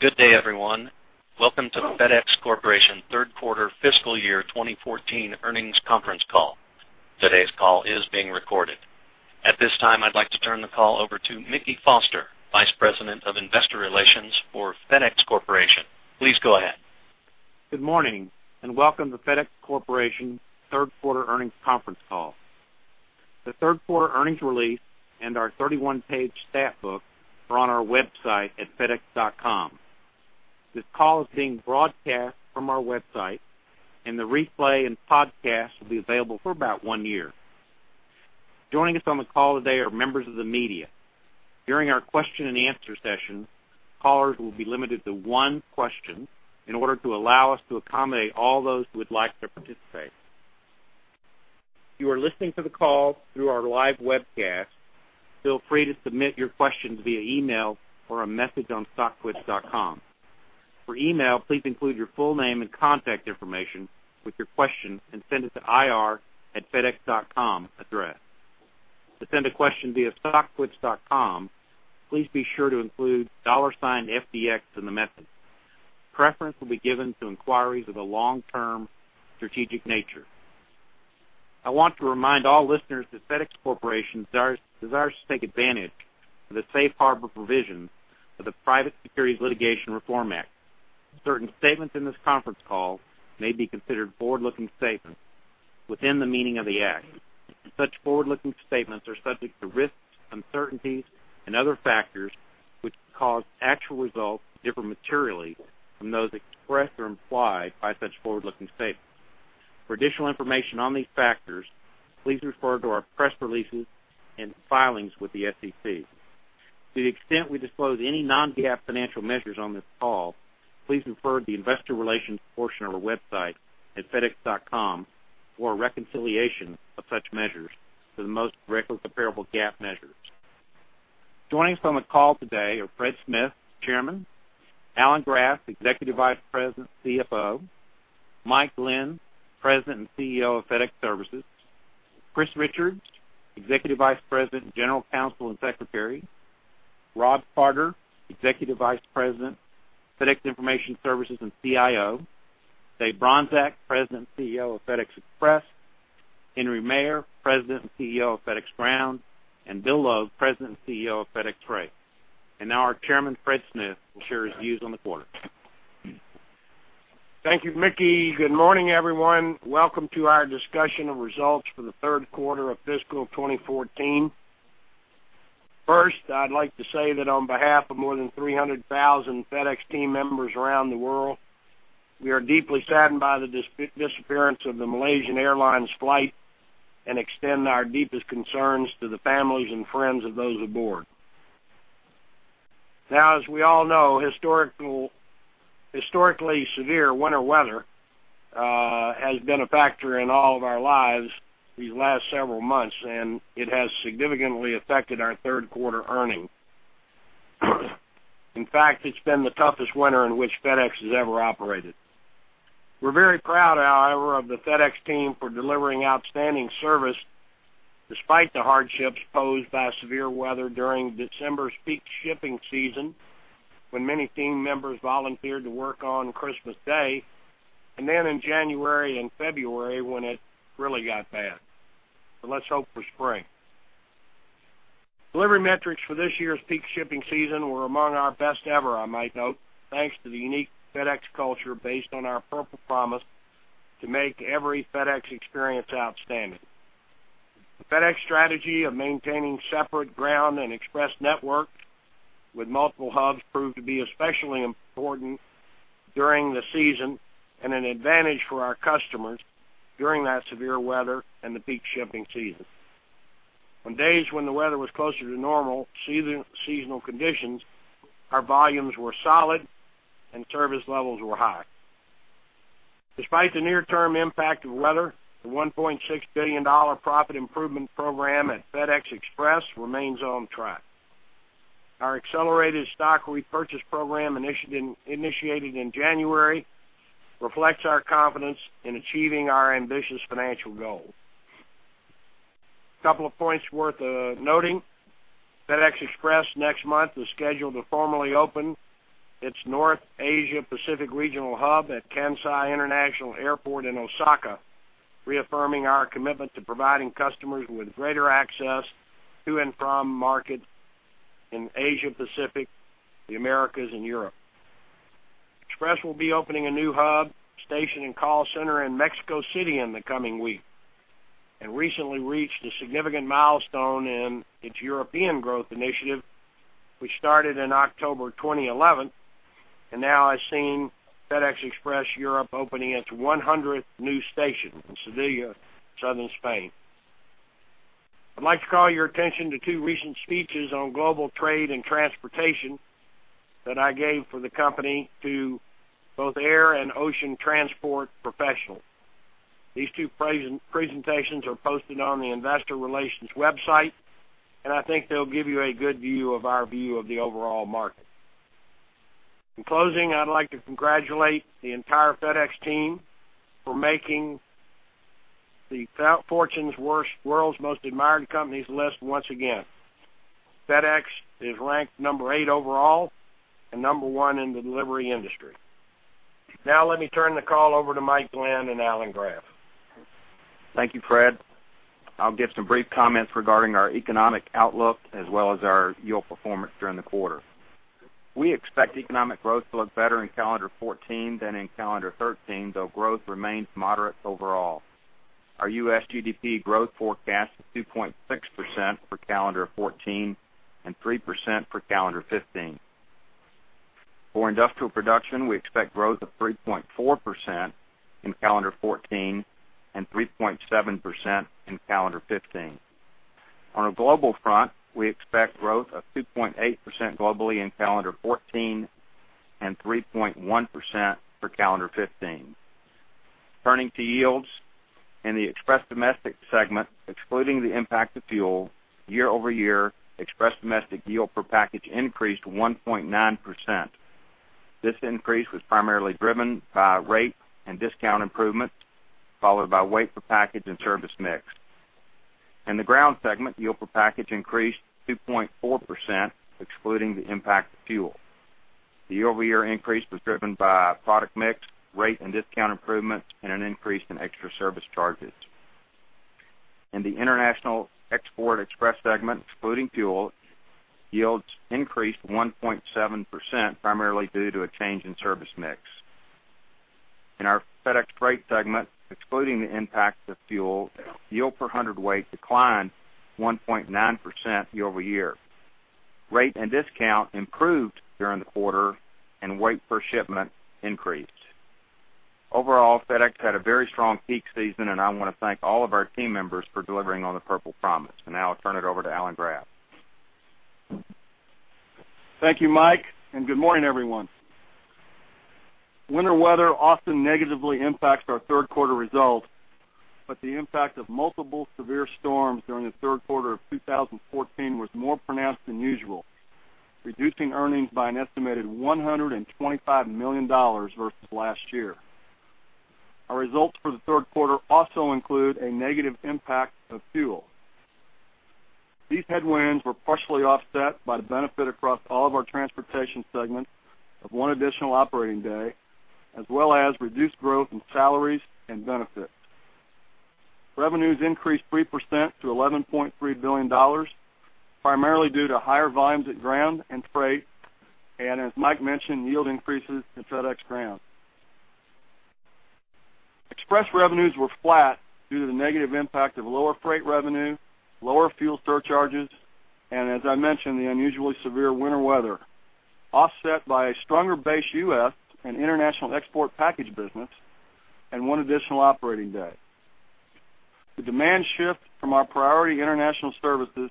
To begin. Good day, everyone. Welcome to the FedEx Corporation third quarter fiscal year 2014 earnings conference call. Today's call is being recorded. At this time, I'd like to turn the call over to Mickey Foster, Vice President of Investor Relations for FedEx Corporation. Please go ahead. Good morning, and welcome to FedEx Corporation third quarter earnings conference call. The third quarter earnings release and our 31-page stat book are on our website at fedex.com. This call is being broadcast from our website, and the replay and podcast will be available for about 1 year. Joining us on the call today are members of the media. During our question and answer session, callers will be limited to one question in order to allow us to accommodate all those who would like to participate. If you are listening to the call through our live webcast, feel free to submit your questions via email or a message on stocktwits.com. For email, please include your full name and contact information with your question and send it to the ir@fedex.com address. To send a question via stocktwits.com, please be sure to include $FDX in the message. Preference will be given to inquiries of a long-term strategic nature. I want to remind all listeners that FedEx Corporation desires, desires to take advantage of the safe harbor provision of the Private Securities Litigation Reform Act. Certain statements in this conference call may be considered forward-looking statements within the meaning of the Act. Such forward-looking statements are subject to risks, uncertainties, and other factors which cause actual results to differ materially from those expressed or implied by such forward-looking statements. For additional information on these factors, please refer to our press releases and filings with the SEC. To the extent we disclose any non-GAAP financial measures on this call, please refer to the investor relations portion of our website at fedex.com for a reconciliation of such measures to the most directly comparable GAAP measures. Joining us on the call today are Fred Smith, Chairman, Alan Graf, Executive Vice President, CFO, Mike Glenn, President and CEO of FedEx Services, Chris Richards, Executive Vice President, General Counsel, and Secretary, Rob Carter, Executive Vice President, FedEx Information Services, and CIO, Dave Bronczek, President and CEO of FedEx Express, Henry Maier, President and CEO of FedEx Ground, and Bill Logue, President and CEO of FedEx Freight. Now our chairman, Fred Smith, will share his views on the quarter. Thank you, Mickey. Good morning, everyone. Welcome to our discussion of results for the third quarter of fiscal 2014. First, I'd like to say that on behalf of more than 300,000 FedEx team members around the world, we are deeply saddened by the disappearance of the Malaysia Airlines flight and extend our deepest concerns to the families and friends of those aboard. Now, as we all know, historically severe winter weather has been a factor in all of our lives these last several months, and it has significantly affected our third quarter earnings. In fact, it's been the toughest winter in which FedEx has ever operated. We're very proud, however, of the FedEx team for delivering outstanding service despite the hardships posed by severe weather during December's peak shipping season, when many team members volunteered to work on Christmas Day, and then in January and February, when it really got bad. Let's hope for spring. Delivery metrics for this year's peak shipping season were among our best ever, I might note, thanks to the unique FedEx culture based on our Purple Promise to make every FedEx experience outstanding. The FedEx strategy of maintaining separate ground and express networks with multiple hubs proved to be especially important during the season and an advantage for our customers during that severe weather and the peak shipping season. On days when the weather was closer to normal seasonal conditions, our volumes were solid and service levels were high. Despite the near-term impact of weather, the $1.6 billion profit improvement program at FedEx Express remains on track. Our accelerated stock repurchase program, initiated in January, reflects our confidence in achieving our ambitious financial goals. Couple of points worth noting. FedEx Express next month is scheduled to formally open its North Asia Pacific Regional Hub at Kansai International Airport in Osaka, reaffirming our commitment to providing customers with greater access to and from markets in Asia Pacific, the Americas, and Europe. Express will be opening a new hub, station, and call center in Mexico City in the coming week, and recently reached a significant milestone in its European growth initiative, which started in October 2011, and now has seen FedEx Express Europe opening its 100th new station in Sevilla, southern Spain. I'd like to call your attention to two recent speeches on global trade and transportation that I gave for the company to both air and ocean transport professionals. These two presentations are posted on the investor relations website, and I think they'll give you a good view of our view of the overall market. In closing, I'd like to congratulate the entire FedEx team for making the Fortune's World's Most Admired Companies list once again. FedEx is ranked number eight overall and number one in the delivery industry. Now let me turn the call over to Mike Glenn and Alan Graf. Thank you, Fred. I'll give some brief comments regarding our economic outlook as well as our yield performance during the quarter. We expect economic growth to look better in calendar 2014 than in calendar 2013, though growth remains moderate overall. Our U.S. GDP growth forecast is 2.6% for calendar 2014, and 3% for calendar 2015. For industrial production, we expect growth of 3.4% in calendar 2014, and 3.7% in calendar 2015. On a global front, we expect growth of 2.8% globally in calendar 2014, and 3.1% for calendar 2015. Turning to yields. In the Express Domestic segment, excluding the impact of fuel, year-over-year, Express Domestic yield per package increased 1.9%. This increase was primarily driven by rate and discount improvement, followed by weight per package and service mix. In the Ground segment, yield per package increased 2.4%, excluding the impact of fuel. The year-over-year increase was driven by product mix, rate and discount improvements, and an increase in extra service charges. In the International Export Express segment, excluding fuel, yields increased 1.7%, primarily due to a change in service mix. In our FedEx Freight segment, excluding the impact of fuel, yield per hundred weight declined 1.9% year-over-year. Rate and discount improved during the quarter, and weight per shipment increased. Overall, FedEx had a very strong peak season, and I want to thank all of our team members for delivering on the Purple Promise. And now I'll turn it over to Alan Graf. Thank you, Mike, and good morning, everyone. Winter weather often negatively impacts our third quarter results, but the impact of multiple severe storms during the third quarter of 2014 was more pronounced than usual, reducing earnings by an estimated $125 million versus last year. Our results for the third quarter also include a negative impact of fuel. These headwinds were partially offset by the benefit across all of our transportation segments of 1 additional operating day, as well as reduced growth in salaries and benefits. Revenues increased 3% to $11.3 billion, primarily due to higher volumes at Ground and Freight, and as Mike mentioned, yield increases in FedEx Ground. Express revenues were flat due to the negative impact of lower freight revenue, lower fuel surcharges, and as I mentioned, the unusually severe winter weather, offset by a stronger base U.S. and international export package business and one additional operating day. The demand shift from our priority international services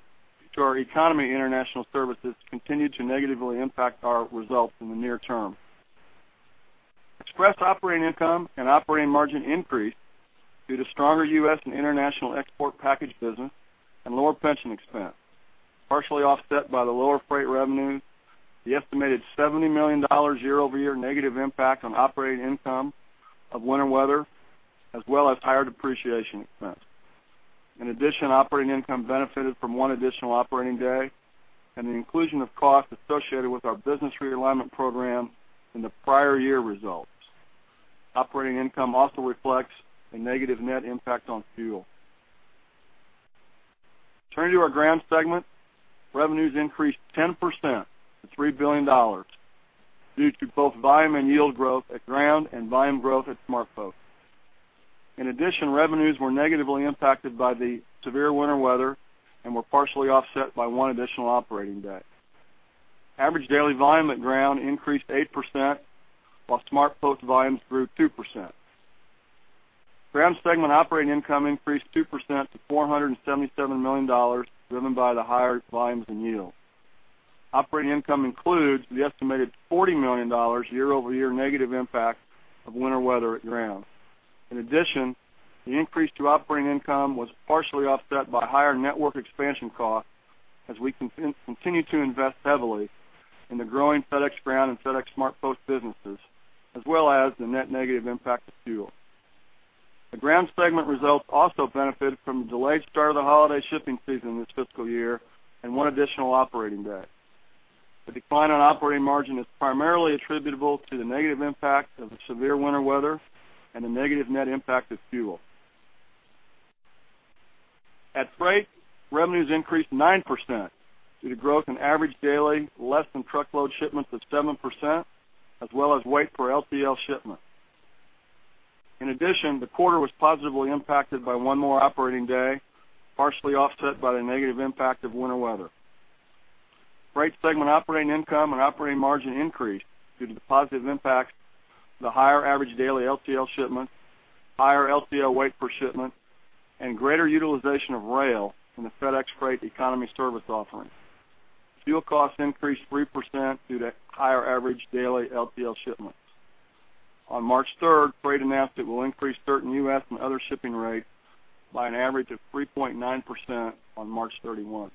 to our economy international services continued to negatively impact our results in the near term. Express operating income and operating margin increased due to stronger U.S. and international export package business and lower pension expense, partially offset by the lower freight revenue, the estimated $70 million year-over-year negative impact on operating income of winter weather, as well as higher depreciation expense. In addition, operating income benefited from one additional operating day and the inclusion of costs associated with our business realignment program in the prior year results. Operating income also reflects a negative net impact on fuel. Turning to our Ground segment, revenues increased 10% to $3 billion, due to both volume and yield growth at Ground and volume growth at SmartPost. In addition, revenues were negatively impacted by the severe winter weather and were partially offset by one additional operating day. Average daily volume at Ground increased 8%, while SmartPost volumes grew 2%. Ground segment operating income increased 2% to $477 million, driven by the higher volumes and yield. Operating income includes the estimated $40 million year-over-year negative impact of winter weather at Ground. In addition, the increase to operating income was partially offset by higher network expansion costs as we continue to invest heavily in the growing FedEx Ground and FedEx SmartPost businesses, as well as the net negative impact of fuel. The Ground segment results also benefited from the delayed start of the holiday shipping season this fiscal year and one additional operating day. The decline on operating margin is primarily attributable to the negative impact of the severe winter weather and the negative net impact of fuel. At Freight, revenues increased 9% due to growth in average daily less-than-truckload shipments of 7%, as well as weight per LTL shipment. In addition, the quarter was positively impacted by one more operating day, partially offset by the negative impact of winter weather. Freight segment operating income and operating margin increased due to the positive impact of the higher average daily LTL shipment, higher LTL weight per shipment, and greater utilization of rail in the FedEx Freight Economy Service offering. Fuel costs increased 3% due to higher average daily LTL shipments. On March 3, Freight announced it will increase certain U.S. and other shipping rates by an average of 3.9% on March 31.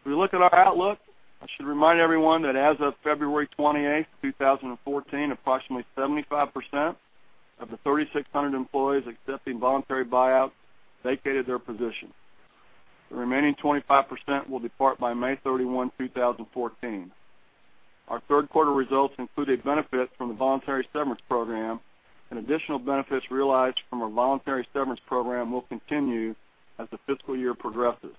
If we look at our outlook, I should remind everyone that as of February 28, 2014, approximately 75% of the 3,600 employees accepting voluntary buyouts vacated their position. The remaining 25% will depart by May 31, 2014. Our third quarter results include a benefit from the voluntary severance program, and additional benefits realized from our voluntary severance program will continue as the fiscal year progresses.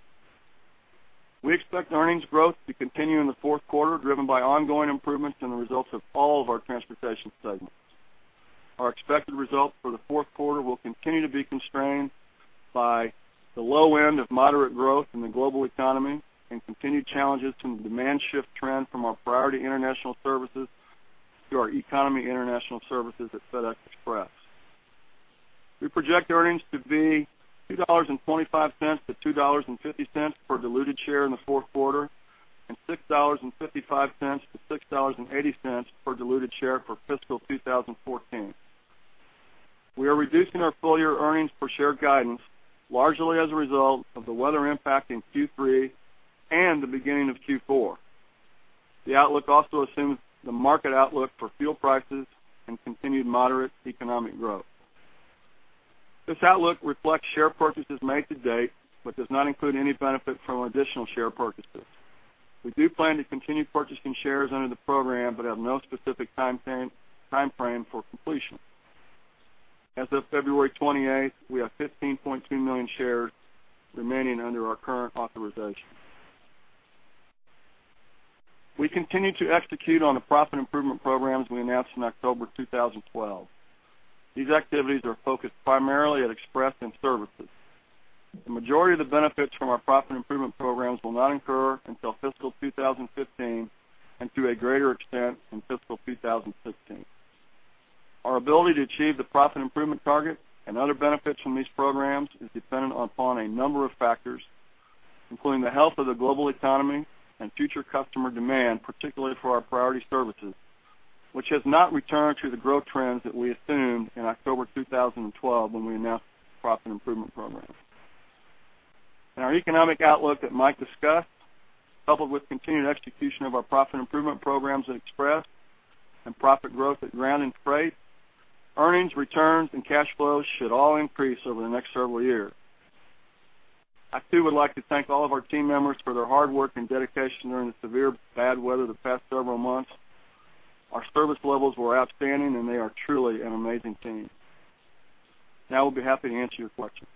We expect earnings growth to continue in the fourth quarter, driven by ongoing improvements in the results of all of our transportation segments. Our expected results for the fourth quarter will continue to be constrained by the low end of moderate growth in the global economy and continued challenges from the demand shift trend from our priority international services to our economy international services at FedEx Express. We project earnings to be $2.25-$2.50 per diluted share in the fourth quarter, and $6.55-$6.80 per diluted share for fiscal 2014. We are reducing our full year earnings per share guidance, largely as a result of the weather impact in Q3 and the beginning of Q4. The outlook also assumes the market outlook for fuel prices and continued moderate economic growth. This outlook reflects share purchases made to date, but does not include any benefit from additional share purchases. We do plan to continue purchasing shares under the program, but have no specific time frame for completion. As of February 28th, we have 15.2 million shares remaining under our current authorization. We continue to execute on the profit improvement programs we announced in October 2012. These activities are focused primarily at Express and Services. The majority of the benefits from our profit improvement programs will not incur until fiscal 2015, and to a greater extent, in fiscal 2016. Our ability to achieve the Profit Improvement Program target and other benefits from these programs is dependent upon a number of factors, including the health of the global economy and future customer demand, particularly for our priority services, which has not returned to the growth trends that we assumed in October 2012, when we announced the Profit Improvement Program. In our economic outlook that Mike discussed, coupled with continued execution of our Profit Improvement Program at Express and profit growth at Ground and Freight, earnings, returns and cash flows should all increase over the next several years. I, too, would like to thank all of our team members for their hard work and dedication during the severe bad weather the past several months. Our service levels were outstanding, and they are truly an amazing team. Now, we'll be happy to answer your questions.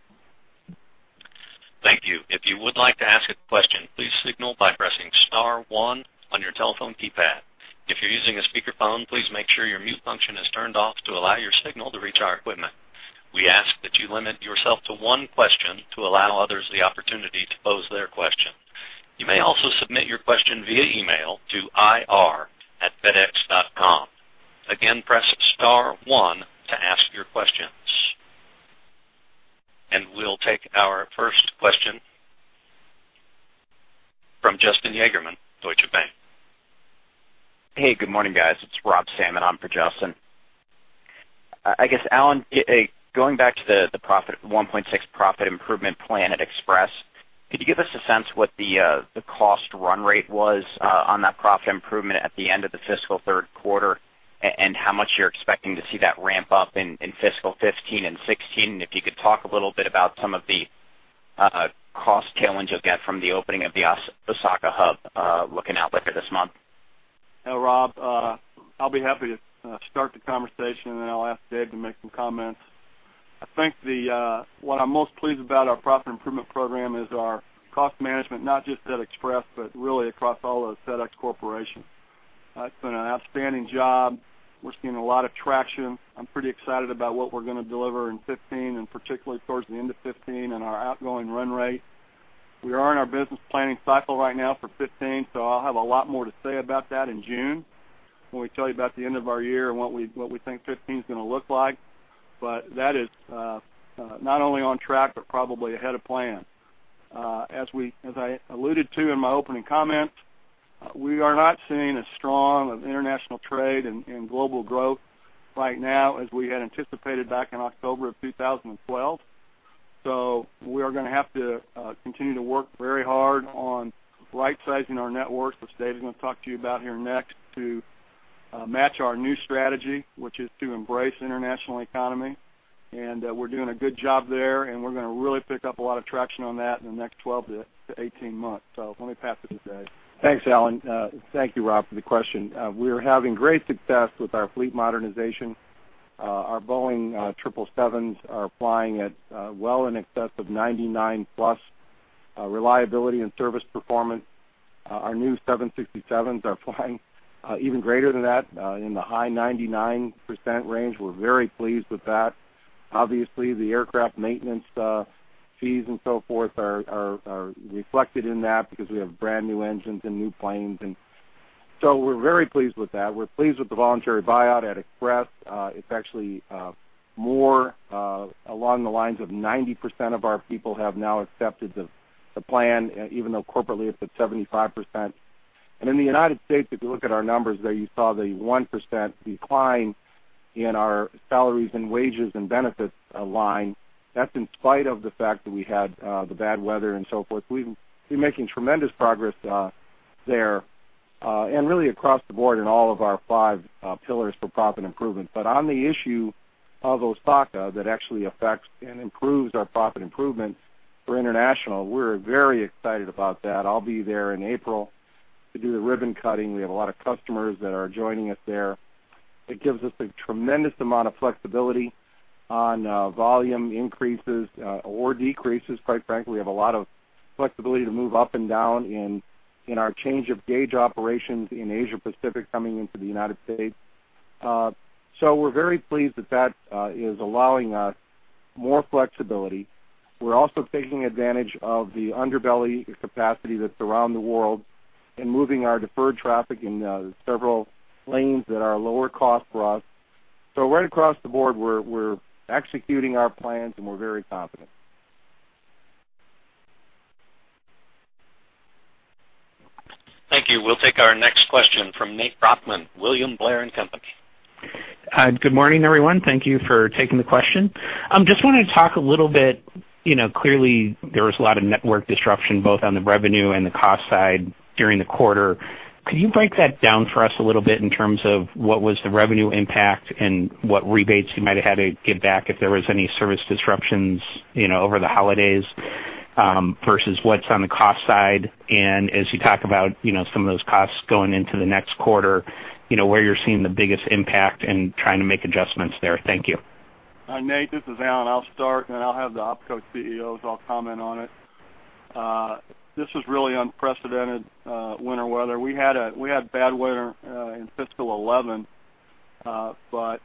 Thank you. If you would like to ask a question, please signal by pressing star one on your telephone keypad. If you're using a speakerphone, please make sure your mute function is turned off to allow your signal to reach our equipment. We ask that you limit yourself to one question to allow others the opportunity to pose their question. You may also submit your question via email to ir@fedex.com. Again, press star one to ask your questions. We'll take our first question from Justin Yagerman, Deutsche Bank. Hey, good morning, guys. It's Rob Salmon on for Justin. I guess, Alan, going back to the profit, 1.6 profit improvement plan at Express, could you give us a sense what the cost run rate was on that profit improvement at the end of the fiscal third quarter, and how much you're expecting to see that ramp up in fiscal 2015 and 2016? And if you could talk a little bit about some of the cost challenge you'll get from the opening of the Osaka hub, looking out later this month. Hey, Rob, I'll be happy to start the conversation, and then I'll ask Dave to make some comments. I think what I'm most pleased about our profit improvement program is our cost management, not just at Express, but really across all of FedEx Corporation. It's been an outstanding job. We're seeing a lot of traction. I'm pretty excited about what we're gonna deliver in 2015, and particularly towards the end of 2015 and our ongoing run rate. We are in our business planning cycle right now for 2015, so I'll have a lot more to say about that in June, when we tell you about the end of our year and what we think 2015 is gonna look like. But that is not only on track, but probably ahead of plan. As I alluded to in my opening comments, we are not seeing as strong of international trade and global growth right now as we had anticipated back in October of 2012. So we are gonna have to continue to work very hard on rightsizing our networks, as Dave is gonna talk to you about here next, to match our new strategy, which is to embrace international economy. We're doing a good job there, and we're gonna really pick up a lot of traction on that in the next 12 to 18 months. So let me pass it to Dave. Thanks, Alan. Thank you, Rob, for the question. We are having great success with our fleet modernization. Our Boeing 777s are flying at well in excess of 99+ reliability and service performance. Our new 767s are flying even greater than that in the high 99% range. We're very pleased with that. Obviously, the aircraft maintenance fees and so forth are reflected in that because we have brand-new engines and new planes. And so we're very pleased with that. We're pleased with the voluntary buyout at Express. It's actually more along the lines of 90% of our people have now accepted the plan, even though corporately it's at 75%. In the United States, if you look at our numbers there, you saw the 1% decline in our salaries and wages and benefits line. That's in spite of the fact that we had the bad weather and so forth. We've been making tremendous progress there and really across the board in all of our five pillars for profit improvement. But on the issue of Osaka, that actually affects and improves our profit improvement for international, we're very excited about that. I'll be there in April to do the ribbon cutting. We have a lot of customers that are joining us there. It gives us a tremendous amount of flexibility on volume increases or decreases, quite frankly. We have a lot of flexibility to move up and down in our change of gauge operations in Asia Pacific coming into the United States. So we're very pleased that is allowing us more flexibility. We're also taking advantage of the underbelly capacity that's around the world and moving our deferred traffic in several lanes that are lower cost for us. So right across the board, we're executing our plans, and we're very confident. Thank you. We'll take our next question from Nate Brochman, William Blair & Company. Good morning, everyone. Thank you for taking the question. Just wanted to talk a little bit, you know, clearly, there was a lot of network disruption, both on the revenue and the cost side during the quarter. Could you break that down for us a little bit in terms of what was the revenue impact and what rebates you might have had to give back if there was any service disruptions, you know, over the holidays, versus what's on the cost side? As you talk about, you know, some of those costs going into the next quarter, you know, where you're seeing the biggest impact and trying to make adjustments there. Thank you. Hi, Nate, this is Alan. I'll start, and then I'll have the OpCo CEOs all comment on it. This was really unprecedented winter weather. We had bad weather in fiscal 2011, but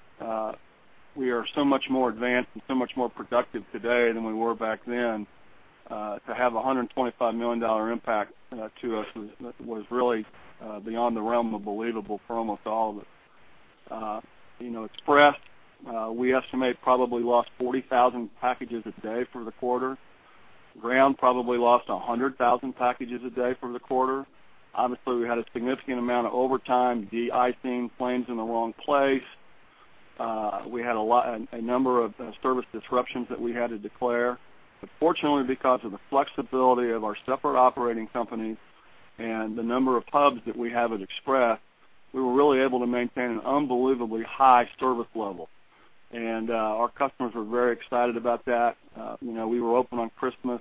we are so much more advanced and so much more productive today than we were back then. To have a $125 million impact to us was really beyond the realm of believable for almost all of us. You know, Express, we estimate, probably lost 40,000 packages a day for the quarter. Ground probably lost 100,000 packages a day for the quarter. Obviously, we had a significant amount of overtime, de-icing planes in the wrong place. We had a number of service disruptions that we had to declare. But fortunately, because of the flexibility of our separate operating companies and the number of hubs that we have at Express, we were really able to maintain an unbelievably high service level, and our customers were very excited about that. You know, we were open on Christmas.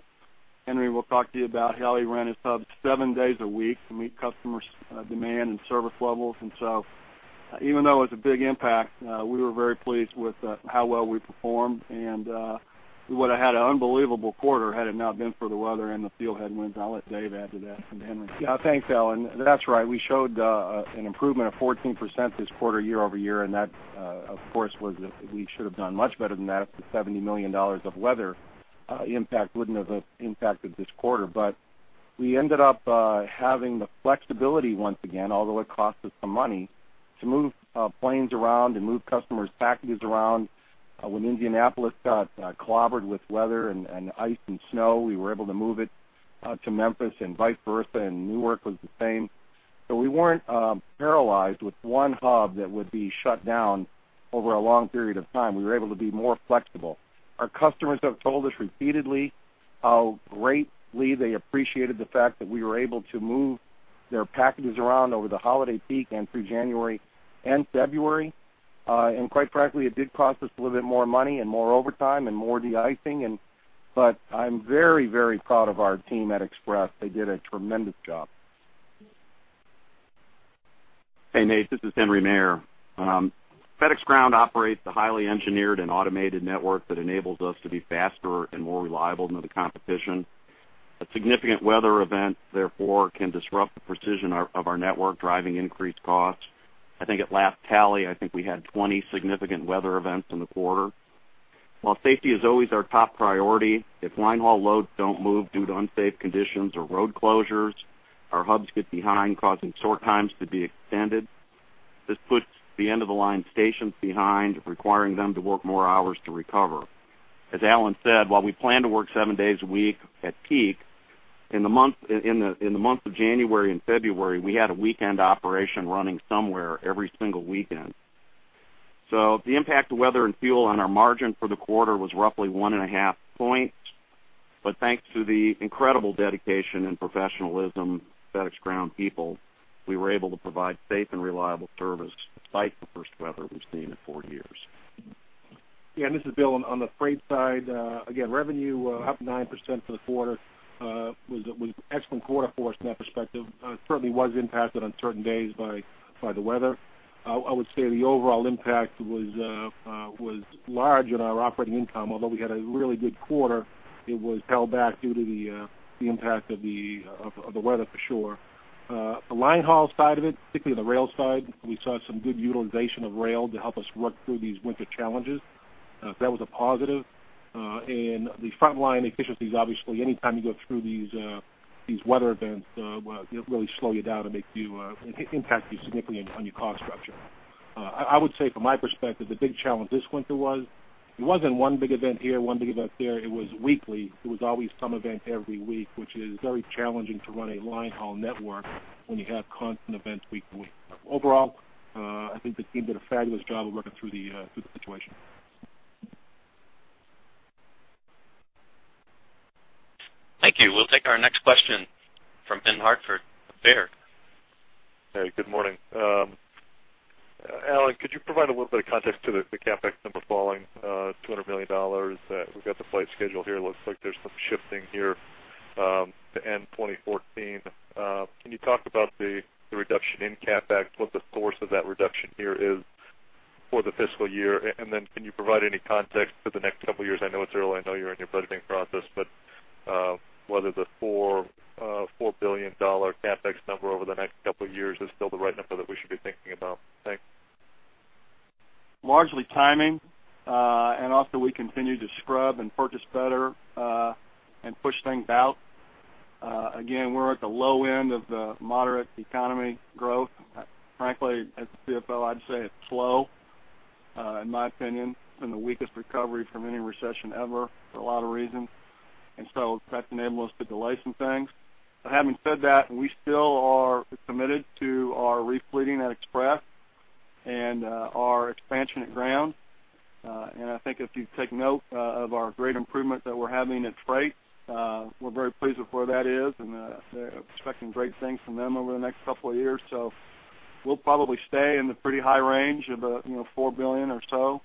Henry will talk to you about how he ran his hubs seven days a week to meet customers' demand and service levels. And so even though it's a big impact, we were very pleased with how well we performed, and we would have had an unbelievable quarter had it not been for the weather and the fuel headwinds. I'll let Dave add to that and Henry. Yeah. Thanks, Alan. That's right. We showed an improvement of 14% this quarter, year-over-year, and that, of course, was. We should have done much better than that if the $70 million of weather impact wouldn't have impacted this quarter. But we ended up having the flexibility once again, although it cost us some money, to move planes around and move customers' packages around. When Indianapolis got clobbered with weather and ice and snow, we were able to move it to Memphis and vice versa, and Newark was the same. So we weren't paralyzed with one hub that would be shut down over a long period of time. We were able to be more flexible. Our customers have told us repeatedly how greatly they appreciated the fact that we were able to move their packages around over the holiday peak and through January and February. Quite frankly, it did cost us a little bit more money and more overtime and more de-icing. But I'm very, very proud of our team at Express. They did a tremendous job. Hey, Nate, this is Henry Maier. FedEx Ground operates a highly engineered and automated network that enables us to be faster and more reliable than the competition. A significant weather event, therefore, can disrupt the precision of our network, driving increased costs. I think at last tally, I think we had 20 significant weather events in the quarter. While safety is always our top priority, if line haul loads don't move due to unsafe conditions or road closures, our hubs get behind, causing sort times to be extended. This puts the end of the line stations behind, requiring them to work more hours to recover. As Alan said, while we plan to work seven days a week at peak, in the months of January and February, we had a weekend operation running somewhere every single weekend. The impact of weather and fuel on our margin for the quarter was roughly 1.5 points. But thanks to the incredible dedication and professionalism of FedEx Ground people, we were able to provide safe and reliable service despite the worst weather we've seen in 4 years. Yeah, this is Bill. On the freight side, again, revenue up 9% for the quarter, was an excellent quarter for us in that perspective. It certainly was impacted on certain days by the weather. I would say the overall impact was large on our operating income. Although we had a really good quarter, it was held back due to the impact of the weather, for sure. The line haul side of it, particularly the rail side, we saw some good utilization of rail to help us work through these winter challenges. That was a positive. And the frontline efficiencies, obviously, anytime you go through these weather events, they really slow you down and make you impact you significantly on your cost structure.... I would say from my perspective, the big challenge this winter was, it wasn't one big event here, one big event there, it was weekly. It was always some event every week, which is very challenging to run a line haul network when you have constant events week to week. Overall, I think the team did a fabulous job of working through the situation. Thank you. We'll take our next question from Ben Hartford of Baird. Hey, good morning. Alan, could you provide a little bit of context to the, the CapEx number falling $200 million? We've got the flight schedule here, looks like there's some shifting here to end 2014. Can you talk about the, the reduction in CapEx, what the source of that reduction here is for the fiscal year? And then can you provide any context for the next couple of years? I know it's early, I know you're in your budgeting process, but whether the $4 billion CapEx number over the next couple of years is still the right number that we should be thinking about? Thanks. Largely timing, and also we continue to scrub and purchase better, and push things out. Again, we're at the low end of the moderate economic growth. Frankly, as CFO, I'd say it's slow, in my opinion, it's been the weakest recovery from any recession ever, for a lot of reasons, and so that's enabled us to delay some things. But having said that, we still are committed to our re-fleeting at Express and, our expansion at Ground. And I think if you take note, of our great improvement that we're having at Freight, we're very pleased with where that is, and, expecting great things from them over the next couple of years. So we'll probably stay in the pretty high range of, you know, $4 billion or so.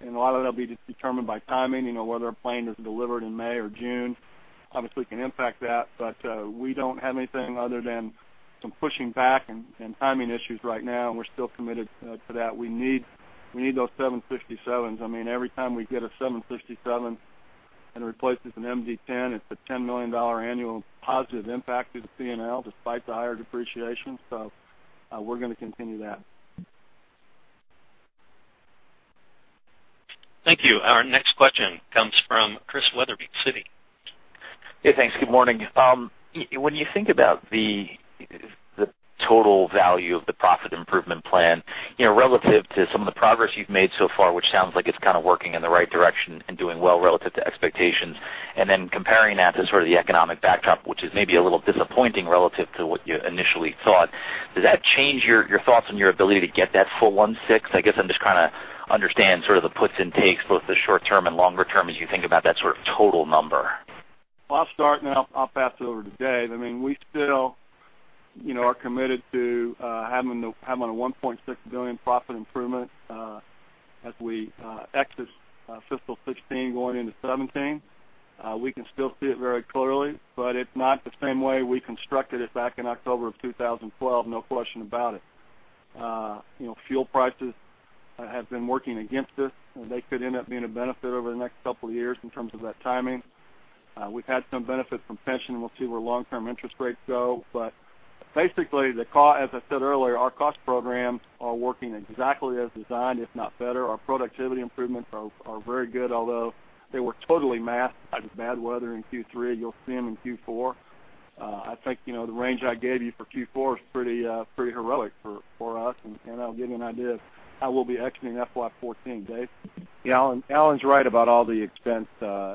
And a lot of that'll be determined by timing, you know, whether a plane is delivered in May or June, obviously, can impact that. But, we don't have anything other than some pushing back and timing issues right now, and we're still committed, to that. We need, we need those 757s. I mean, every time we get a 757 and it replaces an MD-10, it's a $10 million annual positive impact to the P&L, despite the higher depreciation. So, we're gonna continue that. Thank you. Our next question comes from Chris Wetherbee, Citi. Hey, thanks. Good morning. When you think about the total value of the profit improvement plan, you know, relative to some of the progress you've made so far, which sounds like it's kind of working in the right direction and doing well relative to expectations, and then comparing that to sort of the economic backdrop, which is maybe a little disappointing relative to what you initially thought, does that change your thoughts on your ability to get that full $1.6 billion? I guess I'm just trying to understand sort of the puts and takes, both the short term and longer term, as you think about that sort of total number. Well, I'll start and I'll pass it over to Dave. I mean, we still, you know, are committed to having a $1.6 billion profit improvement, as we exit fiscal 2016 going into 2017. We can still see it very clearly, but it's not the same way we constructed it back in October 2012, no question about it. You know, fuel prices have been working against us, and they could end up being a benefit over the next couple of years in terms of that timing. We've had some benefit from pension, we'll see where long-term interest rates go. But basically, the cost—as I said earlier, our cost programs are working exactly as designed, if not better. Our productivity improvements are very good, although they were totally masked by the bad weather in Q3. You'll see them in Q4. I think, you know, the range I gave you for Q4 is pretty pretty heroic for us, and that'll give you an idea of how we'll be exiting FY 2014. Dave? Yeah, Alan, Alan's right about all the expense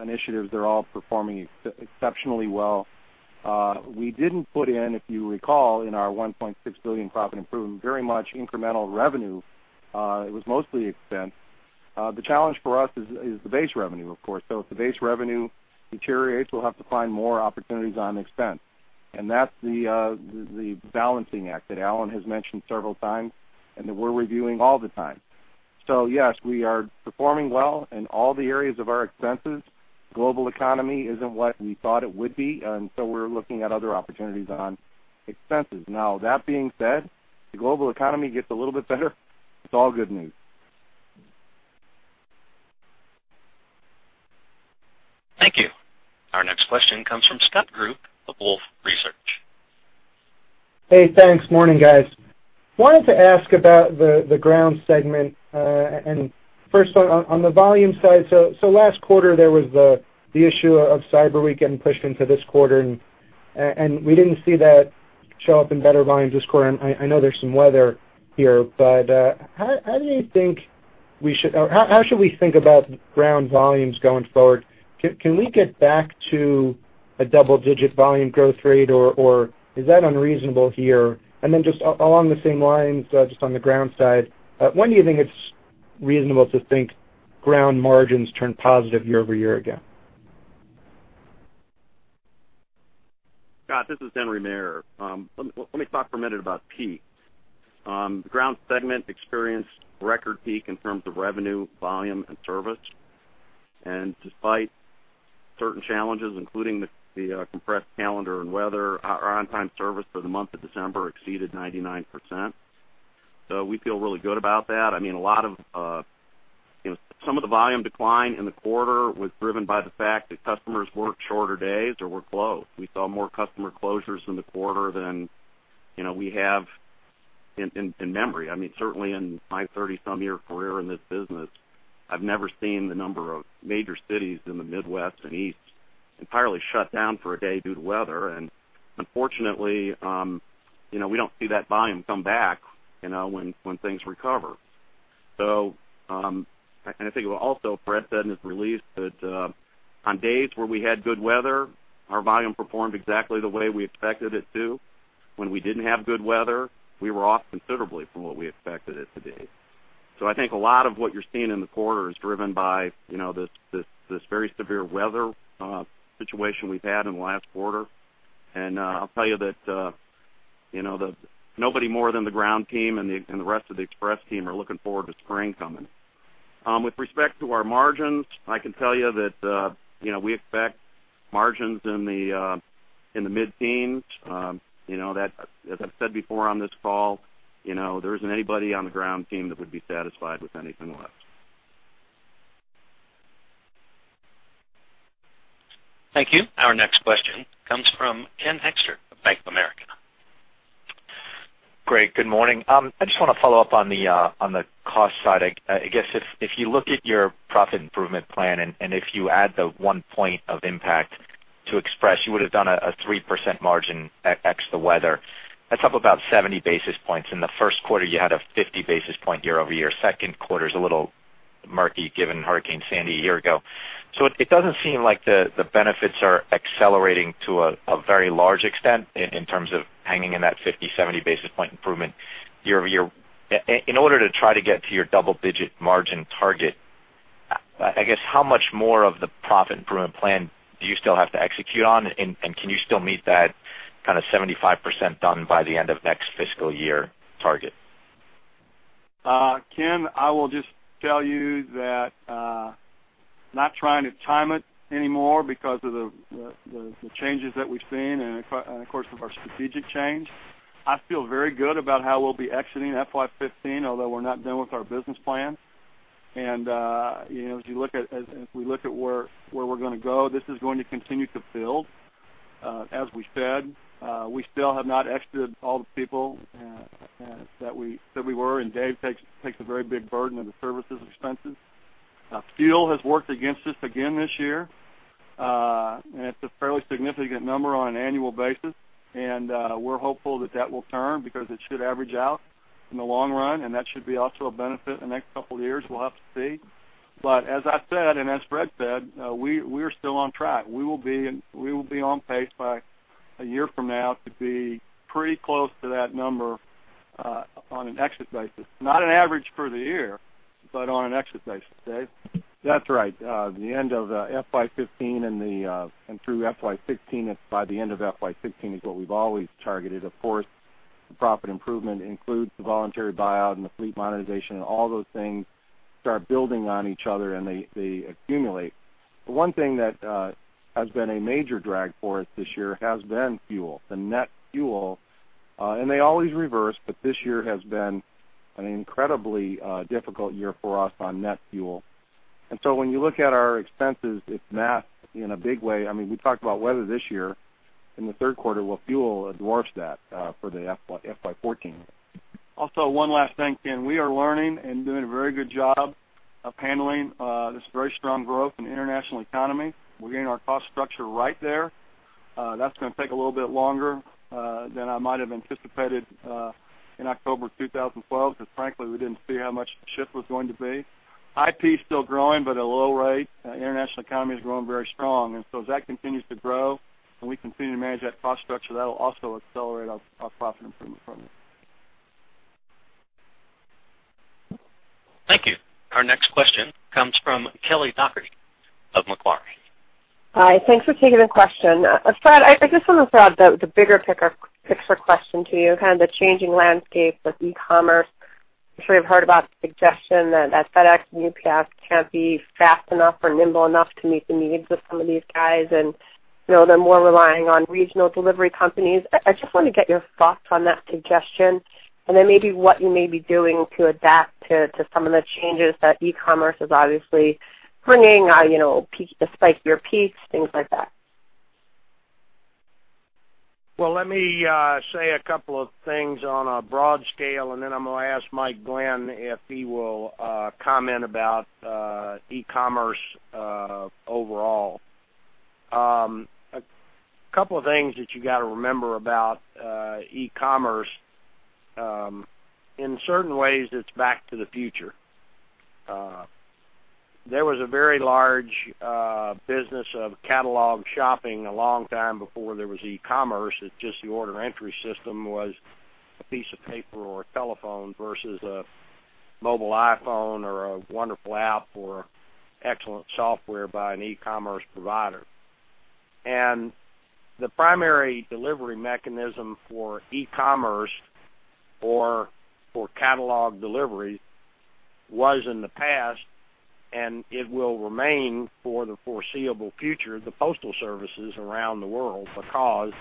initiatives. They're all performing exceptionally well. We didn't put in, if you recall, in our $1.6 billion profit improvement, very much incremental revenue, it was mostly expense. The challenge for us is the base revenue, of course. So if the base revenue deteriorates, we'll have to find more opportunities on expense. And that's the balancing act that Alan has mentioned several times, and that we're reviewing all the time. So yes, we are performing well in all the areas of our expenses. Global economy isn't what we thought it would be, and so we're looking at other opportunities on expenses. Now, that being said, the global economy gets a little bit better, it's all good news. Thank you. Our next question comes from Scott Group of Wolfe Research. Hey, thanks. Morning, guys. Wanted to ask about the Ground segment and first of all, on the volume side. So last quarter, there was the issue of Cyber Week getting pushed into this quarter, and we didn't see that show up in better volumes this quarter. And I know there's some weather here, but how do you think we should... Or how should we think about Ground volumes going forward? Can we get back to a double-digit volume growth rate, or is that unreasonable here? And then just along the same lines, just on the Ground side, when do you think it's reasonable to think Ground margins turn positive year-over-year again? Scott, this is Henry Maier. Let me, let me talk for a minute about peak. The Ground segment experienced record peak in terms of revenue, volume, and service. And despite certain challenges, including the compressed calendar and weather, our on-time service for the month of December exceeded 99%. So we feel really good about that. I mean, a lot of, you know, some of the volume decline in the quarter was driven by the fact that customers worked shorter days or were closed. We saw more customer closures in the quarter than, you know, we have in memory. I mean, certainly in my 30-some-year career in this business, I've never seen the number of major cities in the Midwest and East entirely shut down for a day due to weather. And unfortunately, you know, we don't see that volume come back, you know, when things recover. So, and I think also Fred said in his release that, on days where we had good weather, our volume performed exactly the way we expected it to. When we didn't have good weather, we were off considerably from what we expected it to be. So I think a lot of what you're seeing in the quarter is driven by, you know, this very severe weather situation we've had in the last quarter. And, I'll tell you that, you know, nobody more than the ground team and the rest of the Express team are looking forward to spring coming. With respect to our margins, I can tell you that, you know, we expect margins in the mid-teens. You know that, as I've said before on this call, you know, there isn't anybody on the ground team that would be satisfied with anything less. Thank you. Our next question comes from Ken Hoexter of Bank of America. Great, good morning. I just want to follow up on the cost side. I guess, if you look at your profit improvement plan, and if you add the 1 point of impact to Express, you would have done a 3% margin ex the weather. That's up about 70 basis points. In the first quarter, you had a 50 basis point year-over-year. Second quarter's a little murky, given Hurricane Sandy a year ago. So it doesn't seem like the benefits are accelerating to a very large extent in terms of hanging in that 50-70 basis point improvement year-over-year. In order to try to get to your double-digit margin target, I guess, how much more of the profit improvement plan do you still have to execute on? Can you still meet that kind of 75% done by the end of next fiscal year target? Ken, I will just tell you that, not trying to time it anymore because of the changes that we've seen and of course, of our strategic change, I feel very good about how we'll be exiting FY 2015, although we're not done with our business plan. And, you know, as you look at as we look at where we're gonna go, this is going to continue to build. As we said, we still have not exited all the people that we were, and Dave takes a very big burden of the services expenses. Fuel has worked against us again this year. And it's a fairly significant number on an annual basis, and, we're hopeful that that will turn because it should average out in the long run, and that should be also a benefit in the next couple of years. We'll have to see. But as I said, and as Fred said, we're still on track. We will be, we will be on pace by a year from now to be pretty close to that number, on an exit basis, not an average for the year, but on an exit basis. Dave? That's right. The end of FY 2015 and the, and through FY 2016, it's by the end of FY 2016 is what we've always targeted. Of course, the profit improvement includes the voluntary buyout and the fleet monetization, and all those things start building on each other, and they, they accumulate. The one thing that has been a major drag for us this year has been fuel. The net fuel, and they always reverse, but this year has been an incredibly difficult year for us on net fuel. And so when you look at our expenses, it's math in a big way. I mean, we talked about weather this year in the third quarter, well, fuel dwarfs that for the FY 2014. Also, one last thing, Ken. We are learning and doing a very good job of handling this very strong growth in the international economy. We're getting our cost structure right there. That's gonna take a little bit longer than I might have anticipated in October 2012, because frankly, we didn't see how much the shift was going to be. IP is still growing, but at a low rate. International economy is growing very strong. And so as that continues to grow and we continue to manage that cost structure, that'll also accelerate our, our profit improvement from it. Thank you. Our next question comes from Kelly Dougherty of Macquarie. Hi, thanks for taking the question. Fred, I just wanted to throw out the big picture question to you, kind of the changing landscape of e-commerce. I'm sure you've heard about the suggestion that FedEx and UPS can't be fast enough or nimble enough to meet the needs of some of these guys, and, you know, they're more relying on regional delivery companies. I just want to get your thoughts on that suggestion, and then maybe what you may be doing to adapt to some of the changes that e-commerce is obviously bringing, you know, peak, the spikier peaks, things like that. Well, let me say a couple of things on a broad scale, and then I'm gonna ask Mike Glenn if he will comment about e-commerce overall. A couple of things that you got to remember about e-commerce, in certain ways, it's back to the future. There was a very large business of catalog shopping a long time before there was e-commerce. It's just the order entry system was a piece of paper or a telephone versus a mobile iPhone or a wonderful app or excellent software by an e-commerce provider. And the primary delivery mechanism for e-commerce or for catalog delivery was in the past, and it will remain for the foreseeable future, the postal services around the world, because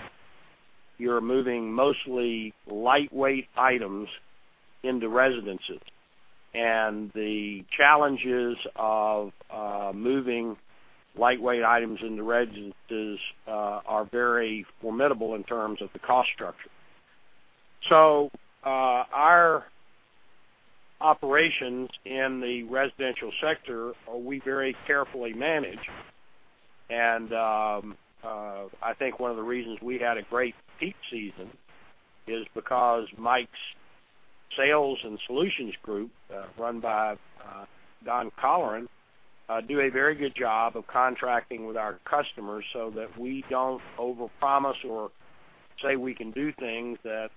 you're moving mostly lightweight items into residences. The challenges of moving lightweight items into residences are very formidable in terms of the cost structure. Our operations in the residential sector are. We very carefully manage. I think one of the reasons we had a great peak season is because Mike's sales and solutions group, run by Don Colleran, do a very good job of contracting with our customers so that we don't overpromise or say we can do things that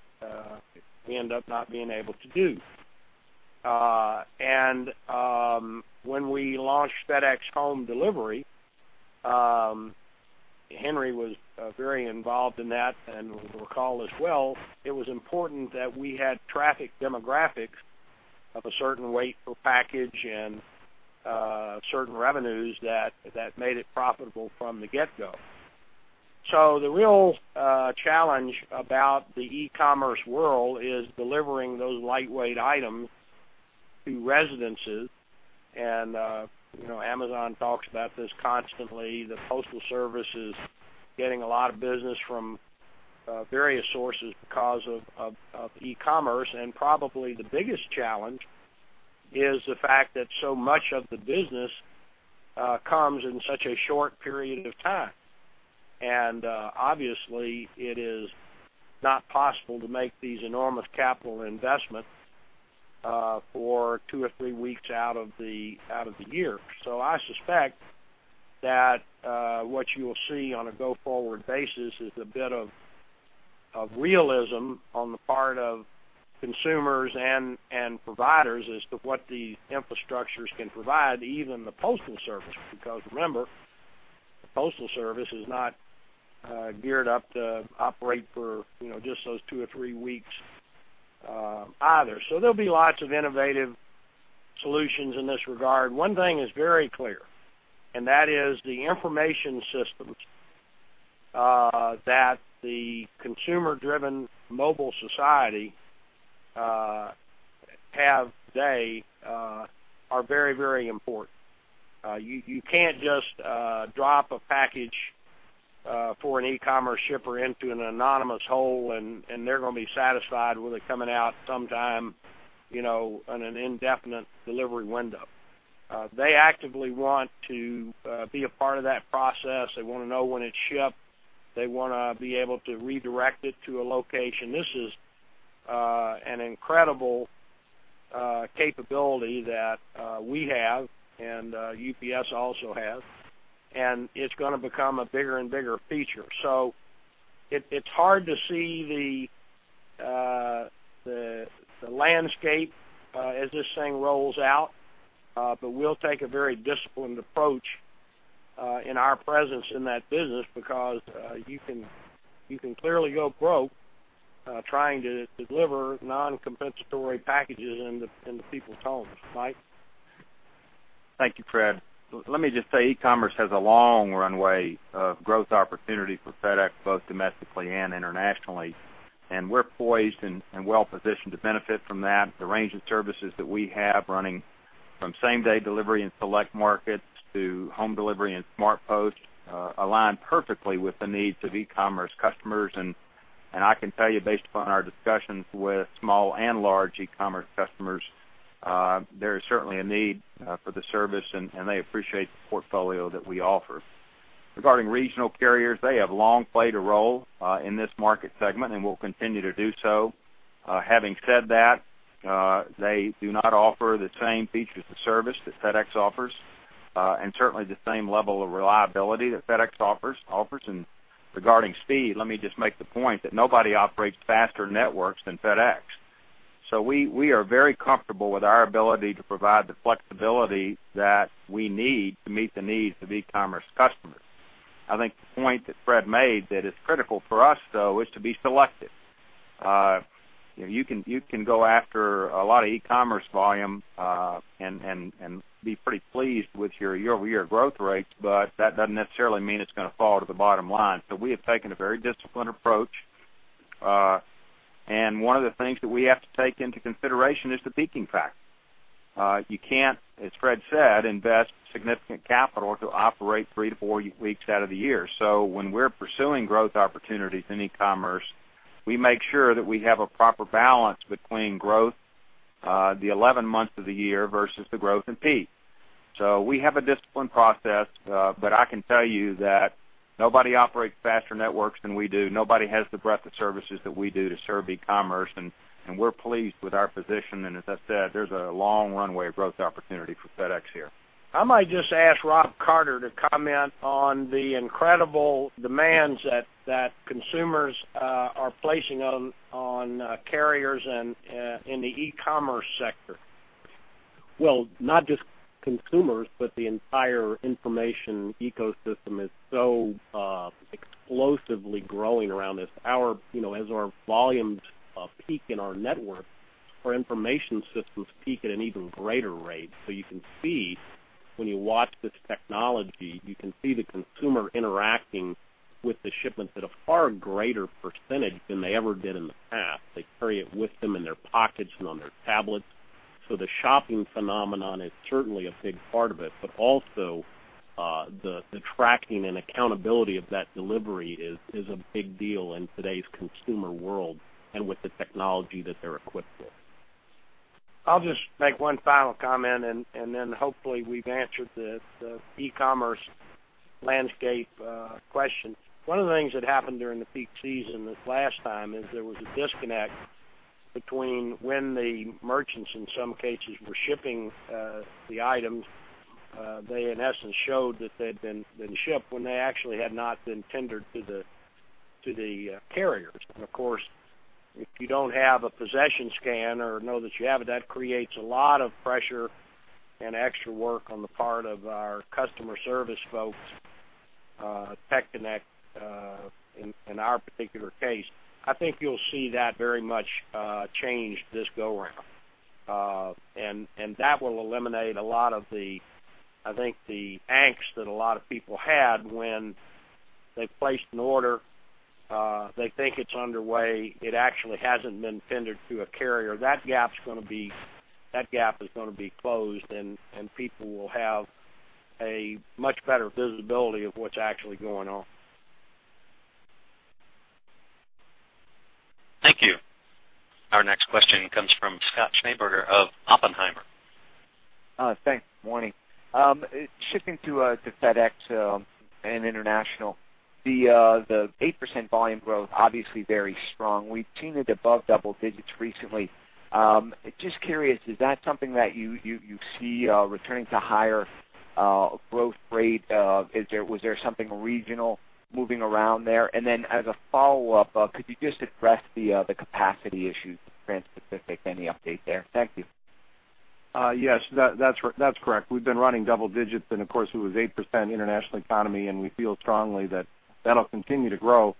we end up not being able to do. When we launched FedEx Home Delivery, Henry was very involved in that and will recall as well, it was important that we had traffic demographics of a certain weight per package and certain revenues that made it profitable from the get-go. So the real challenge about the e-commerce world is delivering those lightweight items to residences. And, you know, Amazon talks about this constantly. The Postal Service is getting a lot of business from various sources because of e-commerce. And probably the biggest challenge is the fact that so much of the business comes in such a short period of time. And, obviously, it is not possible to make these enormous capital investments for two or three weeks out of the year. So I suspect that, what you will see on a go-forward basis is a bit of realism on the part of consumers and providers as to what the infrastructures can provide, even the Postal Service, because remember, the Postal Service is not geared up to operate for, you know, just those two or three weeks, either. So there'll be lots of innovative solutions in this regard. One thing is very clear, and that is the information systems that the consumer-driven mobile society have today are very, very important. You can't just drop a package for an e-commerce shipper into an anonymous hole, and they're gonna be satisfied with it coming out sometime, you know, on an indefinite delivery window. They actively want to be a part of that process. They wanna know when it's shipped. They wanna be able to redirect it to a location. This is an incredible capability that we have and UPS also has, and it's gonna become a bigger and bigger feature. So it's hard to see the landscape as this thing rolls out. But we'll take a very disciplined approach in our presence in that business because you can clearly go broke trying to deliver non-compensatory packages into people's homes. Mike? Thank you, Fred. Let me just say, e-commerce has a long runway of growth opportunity for FedEx, both domestically and internationally, and we're poised and well positioned to benefit from that. The range of services that we have running, from same-day delivery in select markets to home delivery and smart post, align perfectly with the needs of e-commerce customers. And I can tell you, based upon our discussions with small and large e-commerce customers, there is certainly a need for the service, and they appreciate the portfolio that we offer. Regarding regional carriers, they have long played a role in this market segment and will continue to do so. Having said that, they do not offer the same features and service that FedEx offers, and certainly the same level of reliability that FedEx offers. Regarding speed, let me just make the point that nobody operates faster networks than FedEx. So we are very comfortable with our ability to provide the flexibility that we need to meet the needs of e-commerce customers. I think the point that Fred made that is critical for us, though, is to be selective. You know, you can go after a lot of e-commerce volume, and be pretty pleased with your year-over-year growth rates, but that doesn't necessarily mean it's gonna fall to the bottom line. So we have taken a very disciplined approach. And one of the things that we have to take into consideration is the peaking factor. You can't, as Fred said, invest significant capital to operate 3-4 weeks out of the year. So when we're pursuing growth opportunities in e-commerce, we make sure that we have a proper balance between growth, the 11 months of the year versus the growth in peak. So we have a disciplined process, but I can tell you that nobody operates faster networks than we do. Nobody has the breadth of services that we do to serve e-commerce, and, and we're pleased with our position. And as I said, there's a long runway of growth opportunity for FedEx here. I might just ask Rob Carter to comment on the incredible demands that consumers are placing on carriers and in the e-commerce sector. Well, not just consumers, but the entire information ecosystem is so explosively growing around us. Our, you know, as our volumes peak in our network, our information systems peak at an even greater rate. So you can see when you watch this technology, you can see the consumer interacting with the shipments at a far greater percentage than they ever did in the past. They carry it with them in their pockets and on their tablets, so the shopping phenomenon is certainly a big part of it. But also, The tracking and accountability of that delivery is a big deal in today's consumer world and with the technology that they're equipped with. I'll just make one final comment, and then hopefully we've answered the e-commerce landscape question. One of the things that happened during the peak season this last time is there was a disconnect between when the merchants, in some cases, were shipping the items. They, in essence, showed that they'd been shipped when they actually had not been tendered to the carriers. And of course, if you don't have a possession scan or know that you have it, that creates a lot of pressure and extra work on the part of our customer service folks, TechConnect, in our particular case. I think you'll see that very much change this go around. That will eliminate a lot of the, I think, the angst that a lot of people had when they placed an order. They think it's underway; it actually hasn't been tendered to a carrier. That gap's gonna be closed, and people will have a much better visibility of what's actually going on. Thank you. Our next question comes from Scott Schneeberger of Oppenheimer. Thanks. Morning. Shifting to FedEx and international, the 8% volume growth, obviously very strong. We've seen it above double digits recently. Just curious, is that something that you see returning to higher growth rate? Was there something regional moving around there? And then as a follow-up, could you just address the capacity issues, transpacific, any update there? Thank you. Yes, that's correct. We've been running double digits, and of course, it was 8% international economy, and we feel strongly that that'll continue to grow.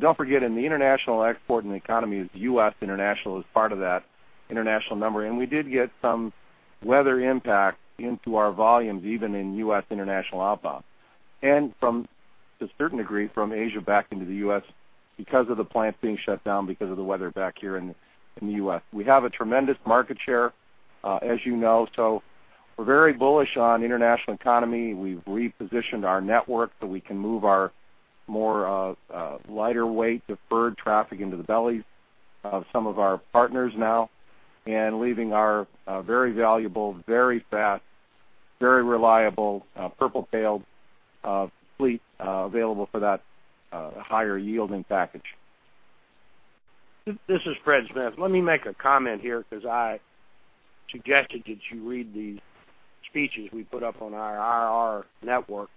Don't forget, in the international export and economy is US international is part of that international number. And we did get some weather impact into our volumes, even in US international outbound. And from, to a certain degree, from Asia back into the US because of the plants being shut down because of the weather back here in the US. We have a tremendous market share, as you know, so we're very bullish on international economy. We've repositioned our network so we can move our more, lighter weight, deferred traffic into the bellies of some of our partners now, and leaving our, very valuable, very fast, very reliable, purple tailed, fleet, available for that, higher yielding package. This is Fred Smith. Let me make a comment here because I suggested that you read the speeches we put up on our IR network.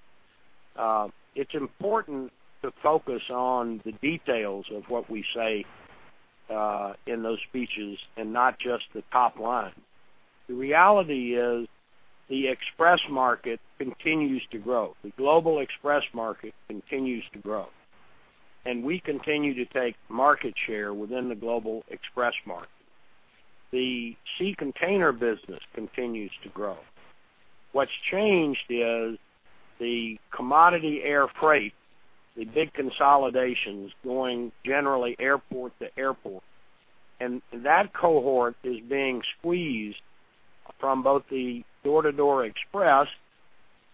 It's important to focus on the details of what we say in those speeches and not just the top line. The reality is, the express market continues to grow. The global express market continues to grow, and we continue to take market share within the global express market. The sea container business continues to grow. What's changed is the commodity air freight, the big consolidation, is going generally airport to airport. And that cohort is being squeezed from both the door-to-door express,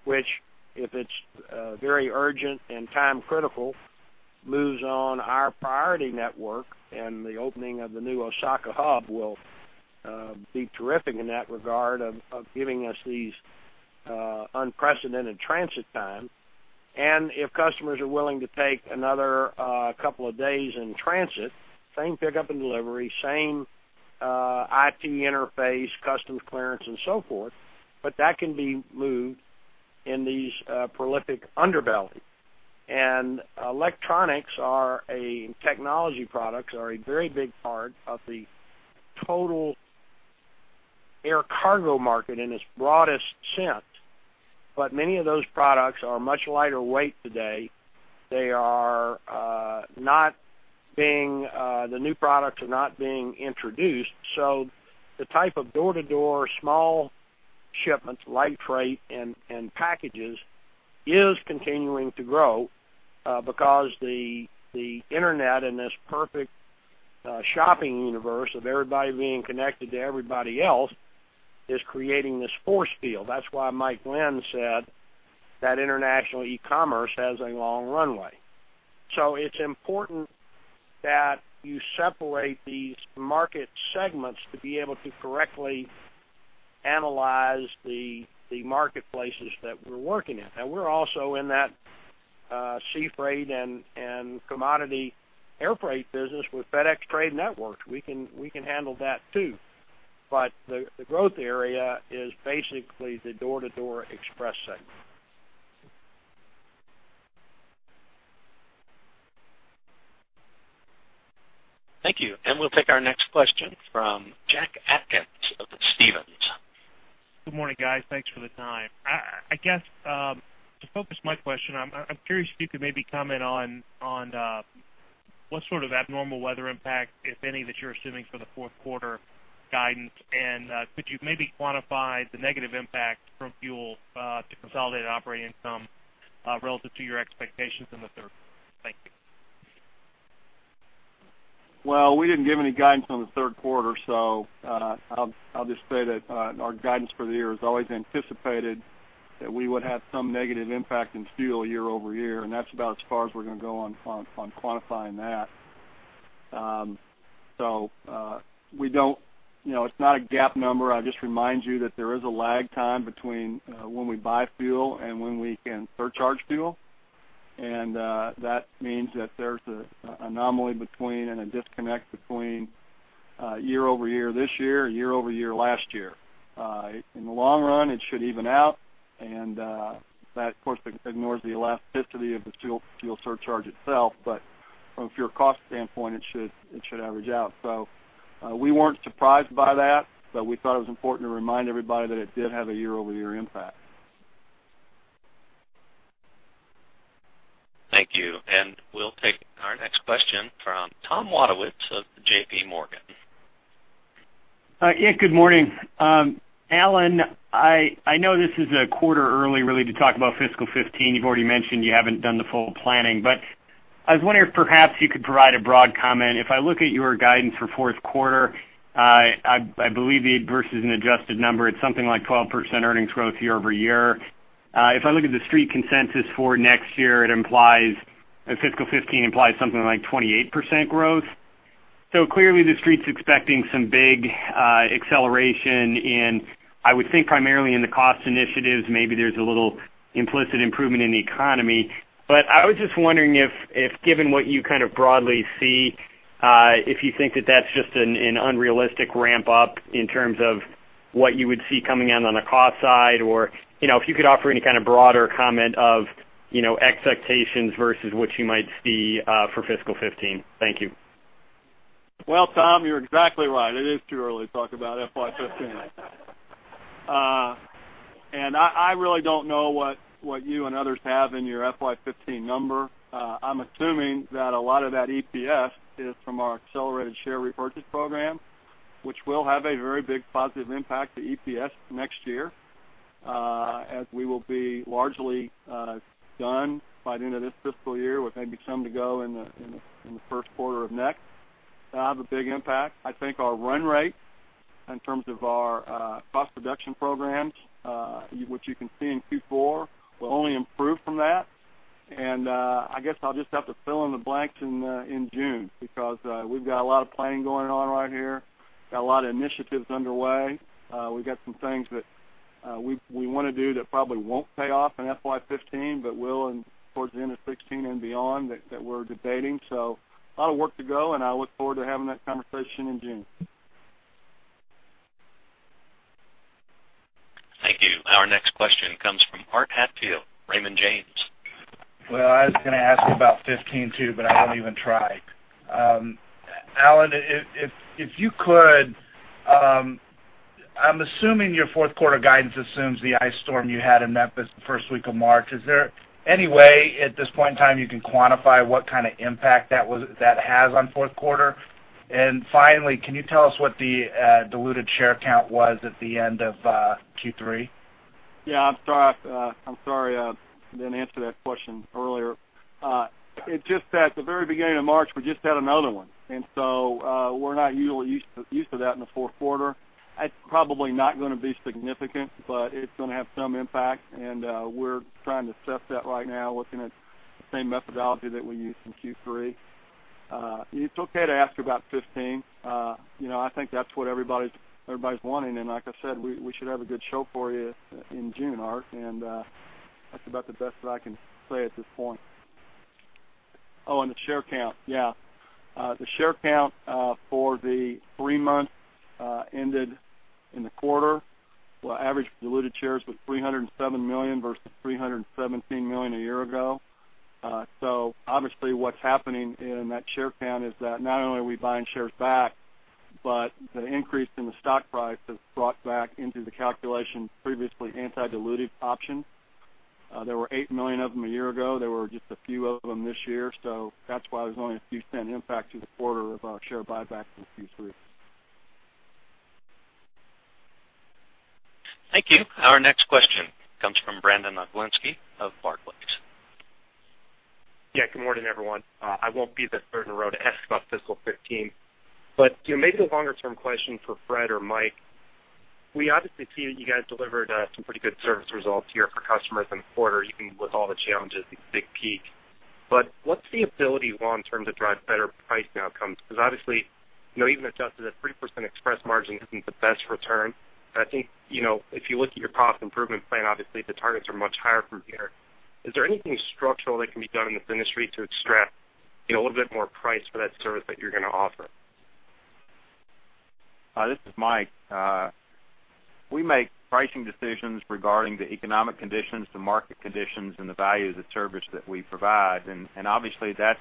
which, if it's very urgent and time critical, moves on our priority network, and the opening of the new Osaka hub will be terrific in that regard of giving us these unprecedented transit time. If customers are willing to take another couple of days in transit, same pickup and delivery, same IT interface, customs clearance, and so forth, but that can be moved in these prolific underbelly. Technology products are a very big part of the total air cargo market in its broadest sense. But many of those products are much lighter weight today. They are not being the new products are not being introduced, so the type of door-to-door, small shipments, light freight, and packages is continuing to grow because the internet and this perfect shopping universe of everybody being connected to everybody else is creating this force field. That's why Mike Glenn said that international e-commerce has a long runway. So it's important that you separate these market segments to be able to correctly analyze the marketplaces that we're working in. And we're also in that sea freight and commodity air freight business with FedEx Trade Networks. We can, we can handle that, too. But the growth area is basically the door-to-door express segment. Thank you. And we'll take our next question from Jack Atkins of Stephens. Good morning, guys. Thanks for the time. I guess to focus my question, I'm curious if you could maybe comment on what sort of abnormal weather impact, if any, that you're assuming for the fourth quarter guidance. And could you maybe quantify the negative impact from fuel to consolidated operating income relative to your expectations in the third quarter? Thank you. Well, we didn't give any guidance on the third quarter, so, I'll, I'll just say that, our guidance for the year has always anticipated that we would have some negative impact in fuel year-over-year, and that's about as far as we're going to go on quantifying that. So, we don't, you know, it's not a GAAP number. I'll just remind you that there is a lag time between, when we buy fuel and when we can surcharge fuel. And, that means that there's an anomaly and a disconnect between, year-over-year this year, year-over-year last year. In the long run, it should even out, and, that, of course, ignores the elasticity of the fuel surcharge itself, but from a pure cost standpoint, it should average out. So, we weren't surprised by that, but we thought it was important to remind everybody that it did have a year-over-year impact. Thank you. We'll take our next question from Tom Wadewitz of J.P. Morgan. Yeah, good morning. Alan, I know this is a quarter early, really, to talk about fiscal 2015. You've already mentioned you haven't done the full planning, but I was wondering if perhaps you could provide a broad comment. If I look at your guidance for fourth quarter, I believe the versus an adjusted number, it's something like 12% earnings growth year-over-year. If I look at the Street consensus for next year, it implies a fiscal 2015 something like 28% growth. So clearly, the Street's expecting some big acceleration in, I would think, primarily in the cost initiatives. Maybe there's a little implicit improvement in the economy. But I was just wondering if, given what you kind of broadly see, if you think that that's just an unrealistic ramp up in terms of what you would see coming in on the cost side, or, you know, if you could offer any kind of broader comment of, you know, expectations versus what you might see, for fiscal 2015. Thank you. Well, Tom, you're exactly right. It is too early to talk about FY 2015. And I really don't know what you and others have in your FY 2015 number. I'm assuming that a lot of that EPS is from our accelerated share repurchase program, which will have a very big positive impact to EPS next year, as we will be largely done by the end of this fiscal year, with maybe some to go in the first quarter of next. That'll have a big impact. I think our run rate in terms of our cost reduction programs, which you can see in Q4, will only improve from that. I guess I'll just have to fill in the blanks in June, because we've got a lot of planning going on right here, got a lot of initiatives underway. We've got some things that we want to do that probably won't pay off in FY 2015, but will in towards the end of 2016 and beyond that, that we're debating. So a lot of work to go, and I look forward to having that conversation in June. Thank you. Our next question comes from Art Hatfield, Raymond James. Well, I was gonna ask you about 2015, too, but I won't even try. Alan, if you could, I'm assuming your fourth quarter guidance assumes the ice storm you had in Memphis the first week of March. Is there any way, at this point in time, you can quantify what kind of impact that was-that has on fourth quarter? And finally, can you tell us what the diluted share count was at the end of Q3? Yeah, I'm sorry, I'm sorry I didn't answer that question earlier. It's just that the very beginning of March, we just had another one, and so, we're not usually used to that in the fourth quarter. It's probably not gonna be significant, but it's gonna have some impact, and, we're trying to assess that right now, looking at the same methodology that we used in Q3. It's okay to ask about '15. You know, I think that's what everybody's wanting, and like I said, we should have a good show for you in June, Art, and, that's about the best that I can say at this point. Oh, and the share count. Yeah. The share count, for the three months ended in the quarter, well, average diluted shares was 307 million versus 317 million a year ago. So obviously, what's happening in that share count is that not only are we buying shares back, but the increase in the stock price has brought back into the calculation previously anti-dilutive options. There were eight million of them a year ago. There were just a few of them this year, so that's why there's only a few cent impact to the quarter of our share buyback from Q3. Thank you. Our next question comes from Brandon Oglenski of Barclays. Yeah, good morning, everyone. I won't be the third in a row to ask about fiscal 2015, but, you know, maybe a longer-term question for Fred or Mike. We obviously see that you guys delivered some pretty good service results here for customers in the quarter, even with all the challenges, the big peak. But what's the ability long term to drive better pricing outcomes? Because obviously, you know, even adjusted, a 3% express margin isn't the best return. I think, you know, if you look at your cost improvement plan, obviously the targets are much higher from here. Is there anything structural that can be done in this industry to extract, you know, a little bit more price for that service that you're gonna offer? This is Mike. We make pricing decisions regarding the economic conditions, the market conditions, and the value of the service that we provide. And obviously, that's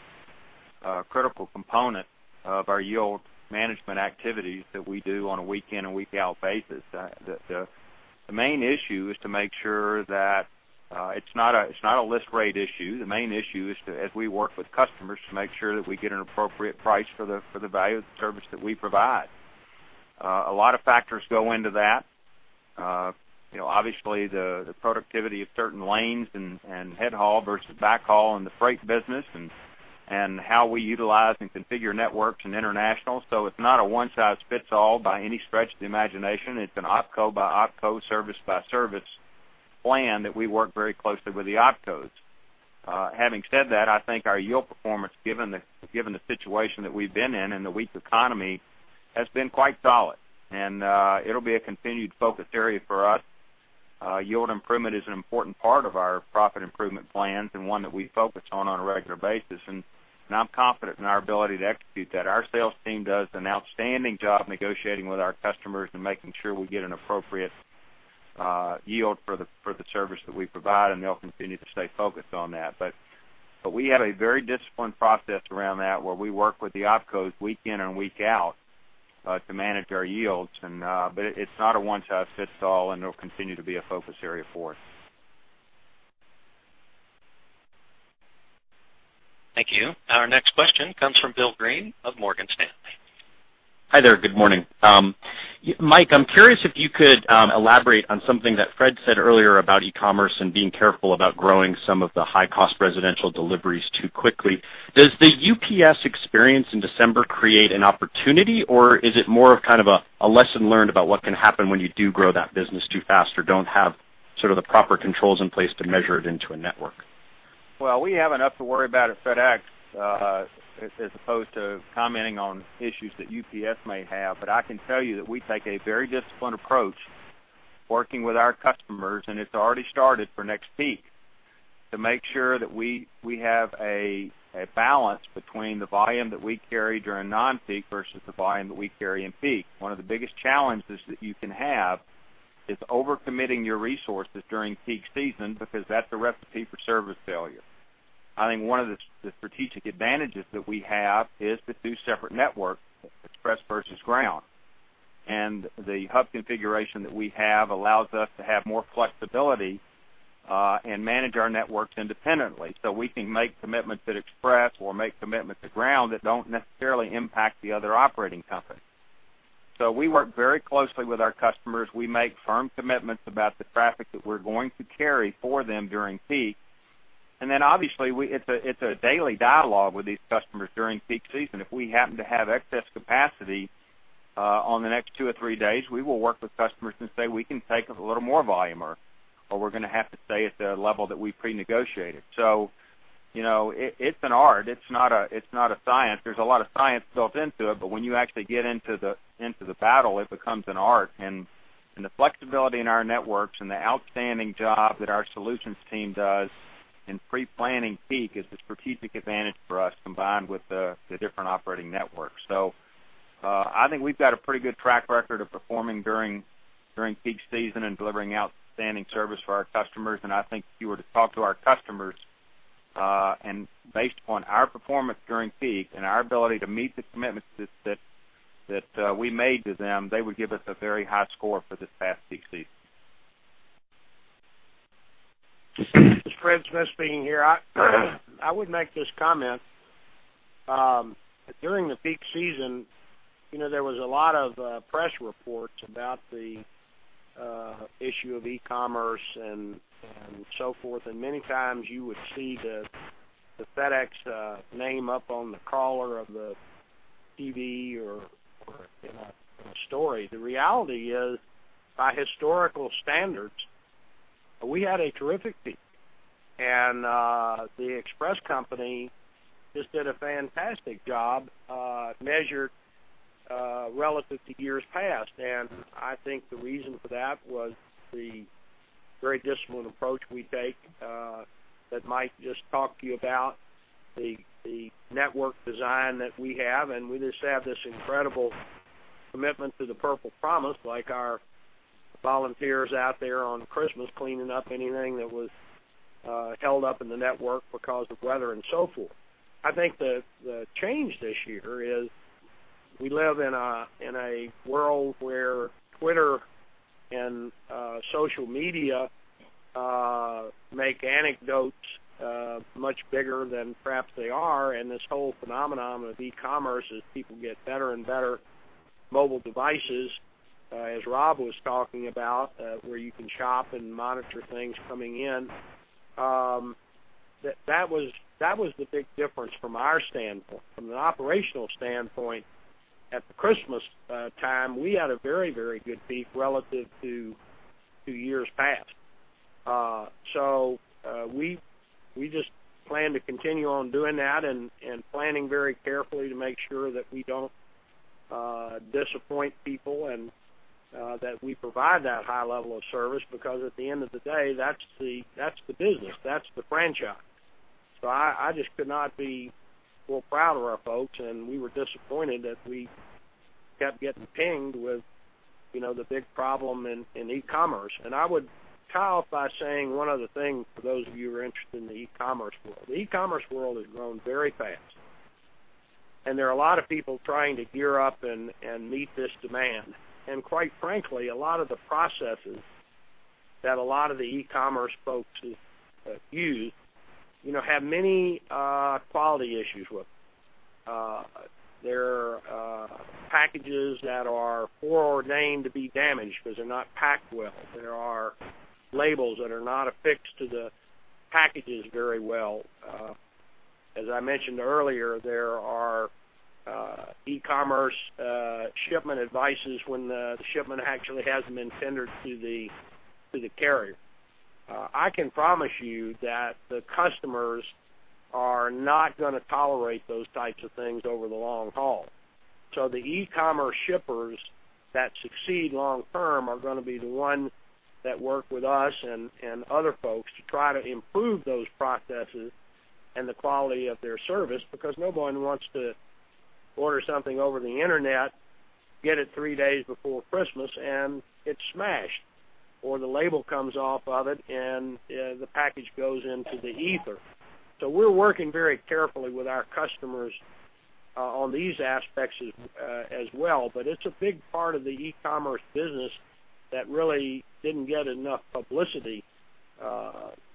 a critical component of our yield management activities that we do on a week in and week out basis. The main issue is to make sure that it's not a list rate issue. The main issue is to, as we work with customers, to make sure that we get an appropriate price for the value of the service that we provide. A lot of factors go into that. You know, obviously, the productivity of certain lanes and head haul versus backhaul in the freight business and how we utilize and configure networks in international. So it's not a one-size-fits-all by any stretch of the imagination. It's an opco by opco, service by service plan that we work very closely with the opcos. Having said that, I think our yield performance, given the situation that we've been in and the weak economy, has been quite solid. It'll be a continued focus area for us. Yield improvement is an important part of our profit improvement plans, and one that we focus on a regular basis, and I'm confident in our ability to execute that. Our sales team does an outstanding job negotiating with our customers and making sure we get an appropriate yield for the service that we provide, and they'll continue to stay focused on that. But we have a very disciplined process around that, where we work with the opcos week in and week out to manage our yields and... But it's not a one-size-fits-all, and it'll continue to be a focus area for us. Thank you. Our next question comes from Bill Greene of Morgan Stanley. Hi there. Good morning. Mike, I'm curious if you could elaborate on something that Fred said earlier about e-commerce and being careful about growing some of the high-cost residential deliveries too quickly. Does the UPS experience in December create an opportunity, or is it more of kind of a lesson learned about what can happen when you do grow that business too fast or don't have sort of the proper controls in place to measure it into a network? Well, we have enough to worry about at FedEx, as opposed to commenting on issues that UPS may have. But I can tell you that we take a very disciplined approach working with our customers, and it's already started for next peak, to make sure that we have a balance between the volume that we carry during non-peak versus the volume that we carry in peak. One of the biggest challenges that you can have is overcommitting your resources during peak season because that's a recipe for service failure. I think one of the strategic advantages that we have is the two separate networks, Express versus Ground. And the hub configuration that we have allows us to have more flexibility, and manage our networks independently. So we can make commitments at Express or make commitments at Ground that don't necessarily impact the other operating company. So we work very closely with our customers. We make firm commitments about the traffic that we're going to carry for them during peak. And then, obviously, we... It's a, it's a daily dialogue with these customers during peak season. If we happen to have excess capacity, on the next two or three days, we will work with customers and say, "We can take a little more volume," or, "We're gonna have to stay at the level that we prenegotiated." So, you know, it, it's an art, it's not a, it's not a science. There's a lot of science built into it, but when you actually get into the, into the battle, it becomes an art. The flexibility in our networks and the outstanding job that our solutions team does in preplanning peak is the strategic advantage for us, combined with the different operating networks. So, I think we've got a pretty good track record of performing during peak season and delivering outstanding service for our customers. And I think if you were to talk to our customers, and based upon our performance during peak and our ability to meet the commitments that we made to them, they would give us a very high score for this past peak season. This is Fred Smith speaking here. I would make this comment. During the peak season, you know, there was a lot of press reports about the issue of e-commerce and so forth, and many times you would see the FedEx name up on the crawler of the TV or in a story. The reality is, by historical standards, we had a terrific peak. And the Express company just did a fantastic job, measured relative to years past. And I think the reason for that was the very disciplined approach we take that Mike just talked to you about, the network design that we have. We just have this incredible commitment to the Purple Promise, like our volunteers out there on Christmas, cleaning up anything that was held up in the network because of weather and so forth. I think the change this year is we live in a world where Twitter and social media make anecdotes much bigger than perhaps they are. This whole phenomenon of e-commerce, as people get better and better mobile devices, as Rob was talking about, where you can shop and monitor things coming in, that was the big difference from our standpoint. From an operational standpoint, at the Christmas time, we had a very, very good peak relative to years past. So, we just plan to continue on doing that and planning very carefully to make sure that we don't disappoint people and that we provide that high level of service, because at the end of the day, that's the business, that's the franchise. So I just could not be more proud of our folks, and we were disappointed that we kept getting pinged with, you know, the big problem in e-commerce. And I would tie off by saying one other thing, for those of you who are interested in the e-commerce world. The e-commerce world has grown very fast, and there are a lot of people trying to gear up and meet this demand. And quite frankly, a lot of the processes that a lot of the e-commerce folks use, you know, have many quality issues with. There are packages that are foreordained to be damaged because they're not packed well. There are labels that are not affixed to the packages very well. As I mentioned earlier, there are e-commerce shipment advices when the shipment actually hasn't been tendered to the carrier. I can promise you that the customers are not gonna tolerate those types of things over the long haul. So the e-commerce shippers that succeed long term are gonna be the ones that work with us and other folks to try to improve those processes and the quality of their service, because no one wants to order something over the internet, get it three days before Christmas, and it's smashed, or the label comes off of it, and the package goes into the ether. So we're working very carefully with our customers, on these aspects as well, but it's a big part of the e-commerce business that really didn't get enough publicity,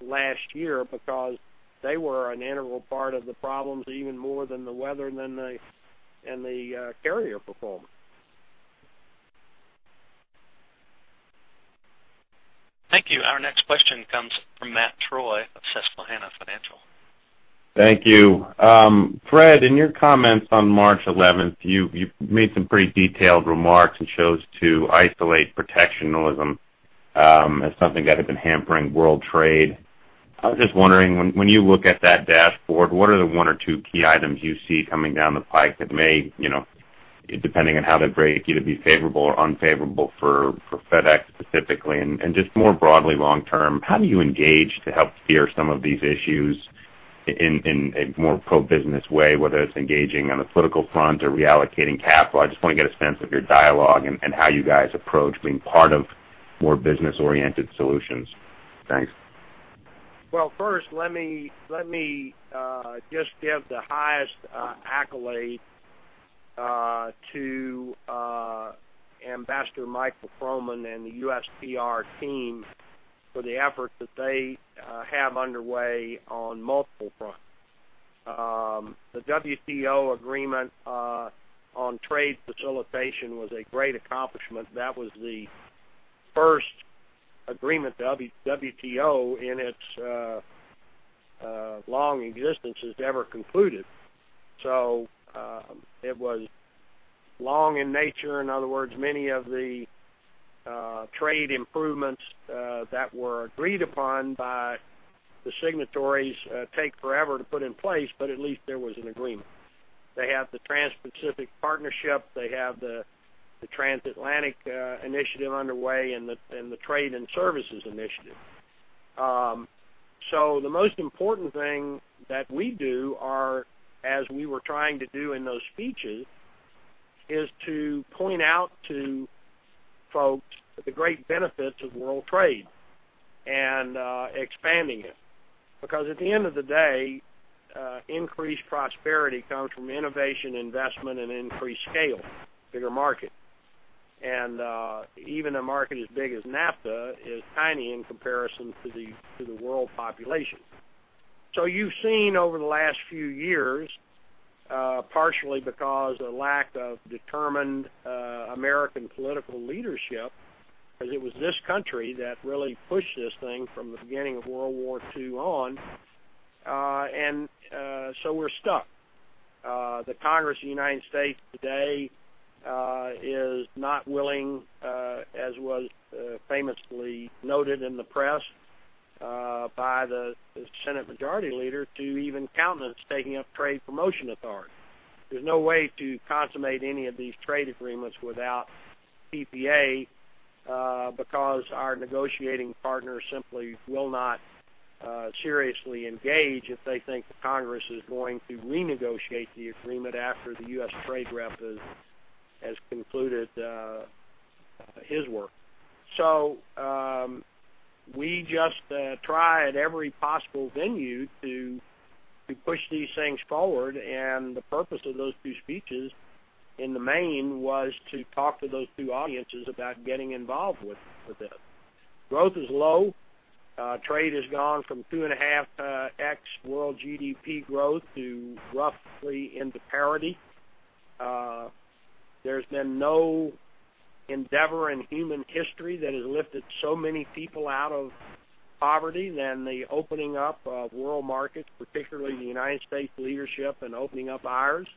last year because they were an integral part of the problems, even more than the weather and than the, and the, carrier performance. Thank you. Our next question comes from Matt Troy of Susquehanna Financial. Thank you. Fred, in your comments on March 11, you made some pretty detailed remarks and chose to isolate protectionism as something that had been hampering world trade. I was just wondering, when you look at that dashboard, what are the one or two key items you see coming down the pike that may, you know, depending on how they break, either be favorable or unfavorable for FedEx specifically? And just more broadly, long term, how do you engage to help steer some of these issues in a more pro-business way, whether it's engaging on the political front or reallocating capital? I just want to get a sense of your dialogue and how you guys approach being part of more business-oriented solutions. Thanks. Well, first, let me just give the highest accolade to Ambassador Michael Froman and the USTR team for the effort that they have underway on multiple fronts. The WTO Agreement on Trade Facilitation was a great accomplishment. That was the first agreement the WTO, in its long existence, has ever concluded. So, it was long in nature. In other words, many of the trade improvements that were agreed upon by the signatories take forever to put in place, but at least there was an agreement. They have the Trans-Pacific Partnership, they have the Transatlantic Initiative underway and the Trade in Services Initiative. So the most important thing that we do are, as we were trying to do in those speeches, is to point out to folks the great benefits of world trade and, expanding it. Because at the end of the day, increased prosperity comes from innovation, investment, and increased scale, bigger market. And even a market as big as NAFTA is tiny in comparison to the world population. So you've seen over the last few years, partially because of lack of determined American political leadership, because it was this country that really pushed this thing from the beginning of World War II on, and so we're stuck. The Congress of the United States today is not willing, as was famously noted in the press by the Senate Majority Leader, to even countenance taking up trade promotion authority. There's no way to consummate any of these trade agreements without TPA, because our negotiating partners simply will not seriously engage if they think the Congress is going to renegotiate the agreement after the U.S. trade rep has concluded his work. So we just try at every possible venue to push these things forward, and the purpose of those two speeches, in the main, was to talk to those two audiences about getting involved with this. Growth is low. Trade has gone from 2.5x world GDP growth to roughly into parity. There's been no endeavor in human history that has lifted so many people out of poverty than the opening up of world markets, particularly the United States' leadership in opening up ours,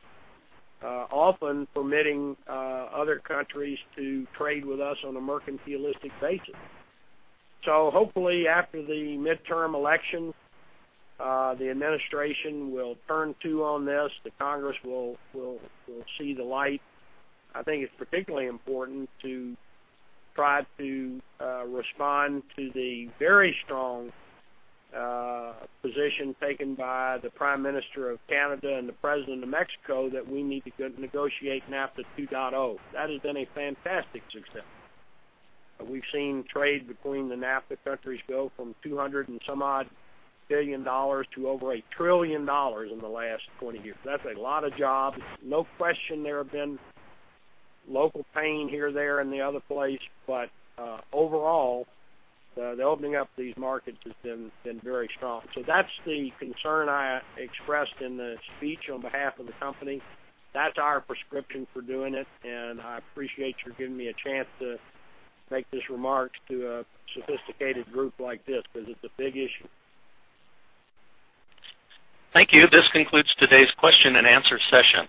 often permitting other countries to trade with us on a mercantilistic basis. So hopefully, after the midterm election, the administration will turn to on this, the Congress will see the light. I think it's particularly important to try to respond to the very strong position taken by the Prime Minister of Canada and the President of Mexico, that we need to go negotiate NAFTA 2.0. That has been a fantastic success. We've seen trade between the NAFTA countries go from $200 billion and some odd to over $1 trillion in the last 20 years. That's a lot of jobs. No question there have been local pain here, there, and the other place, but overall, the opening up of these markets has been very strong. So that's the concern I expressed in the speech on behalf of the company. That's our prescription for doing it, and I appreciate you giving me a chance to make this remark to a sophisticated group like this, because it's a big issue. Thank you. This concludes today's question and answer session.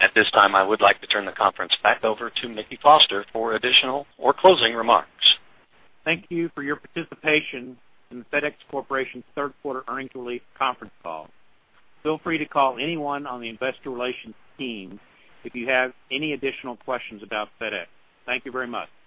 At this time, I would like to turn the conference back over to Mickey Foster for additional or closing remarks. Thank you for your participation in the FedEx Corporation's third quarter earnings release conference call. Feel free to call anyone on the investor relations team if you have any additional questions about FedEx. Thank you very much. Goodbye.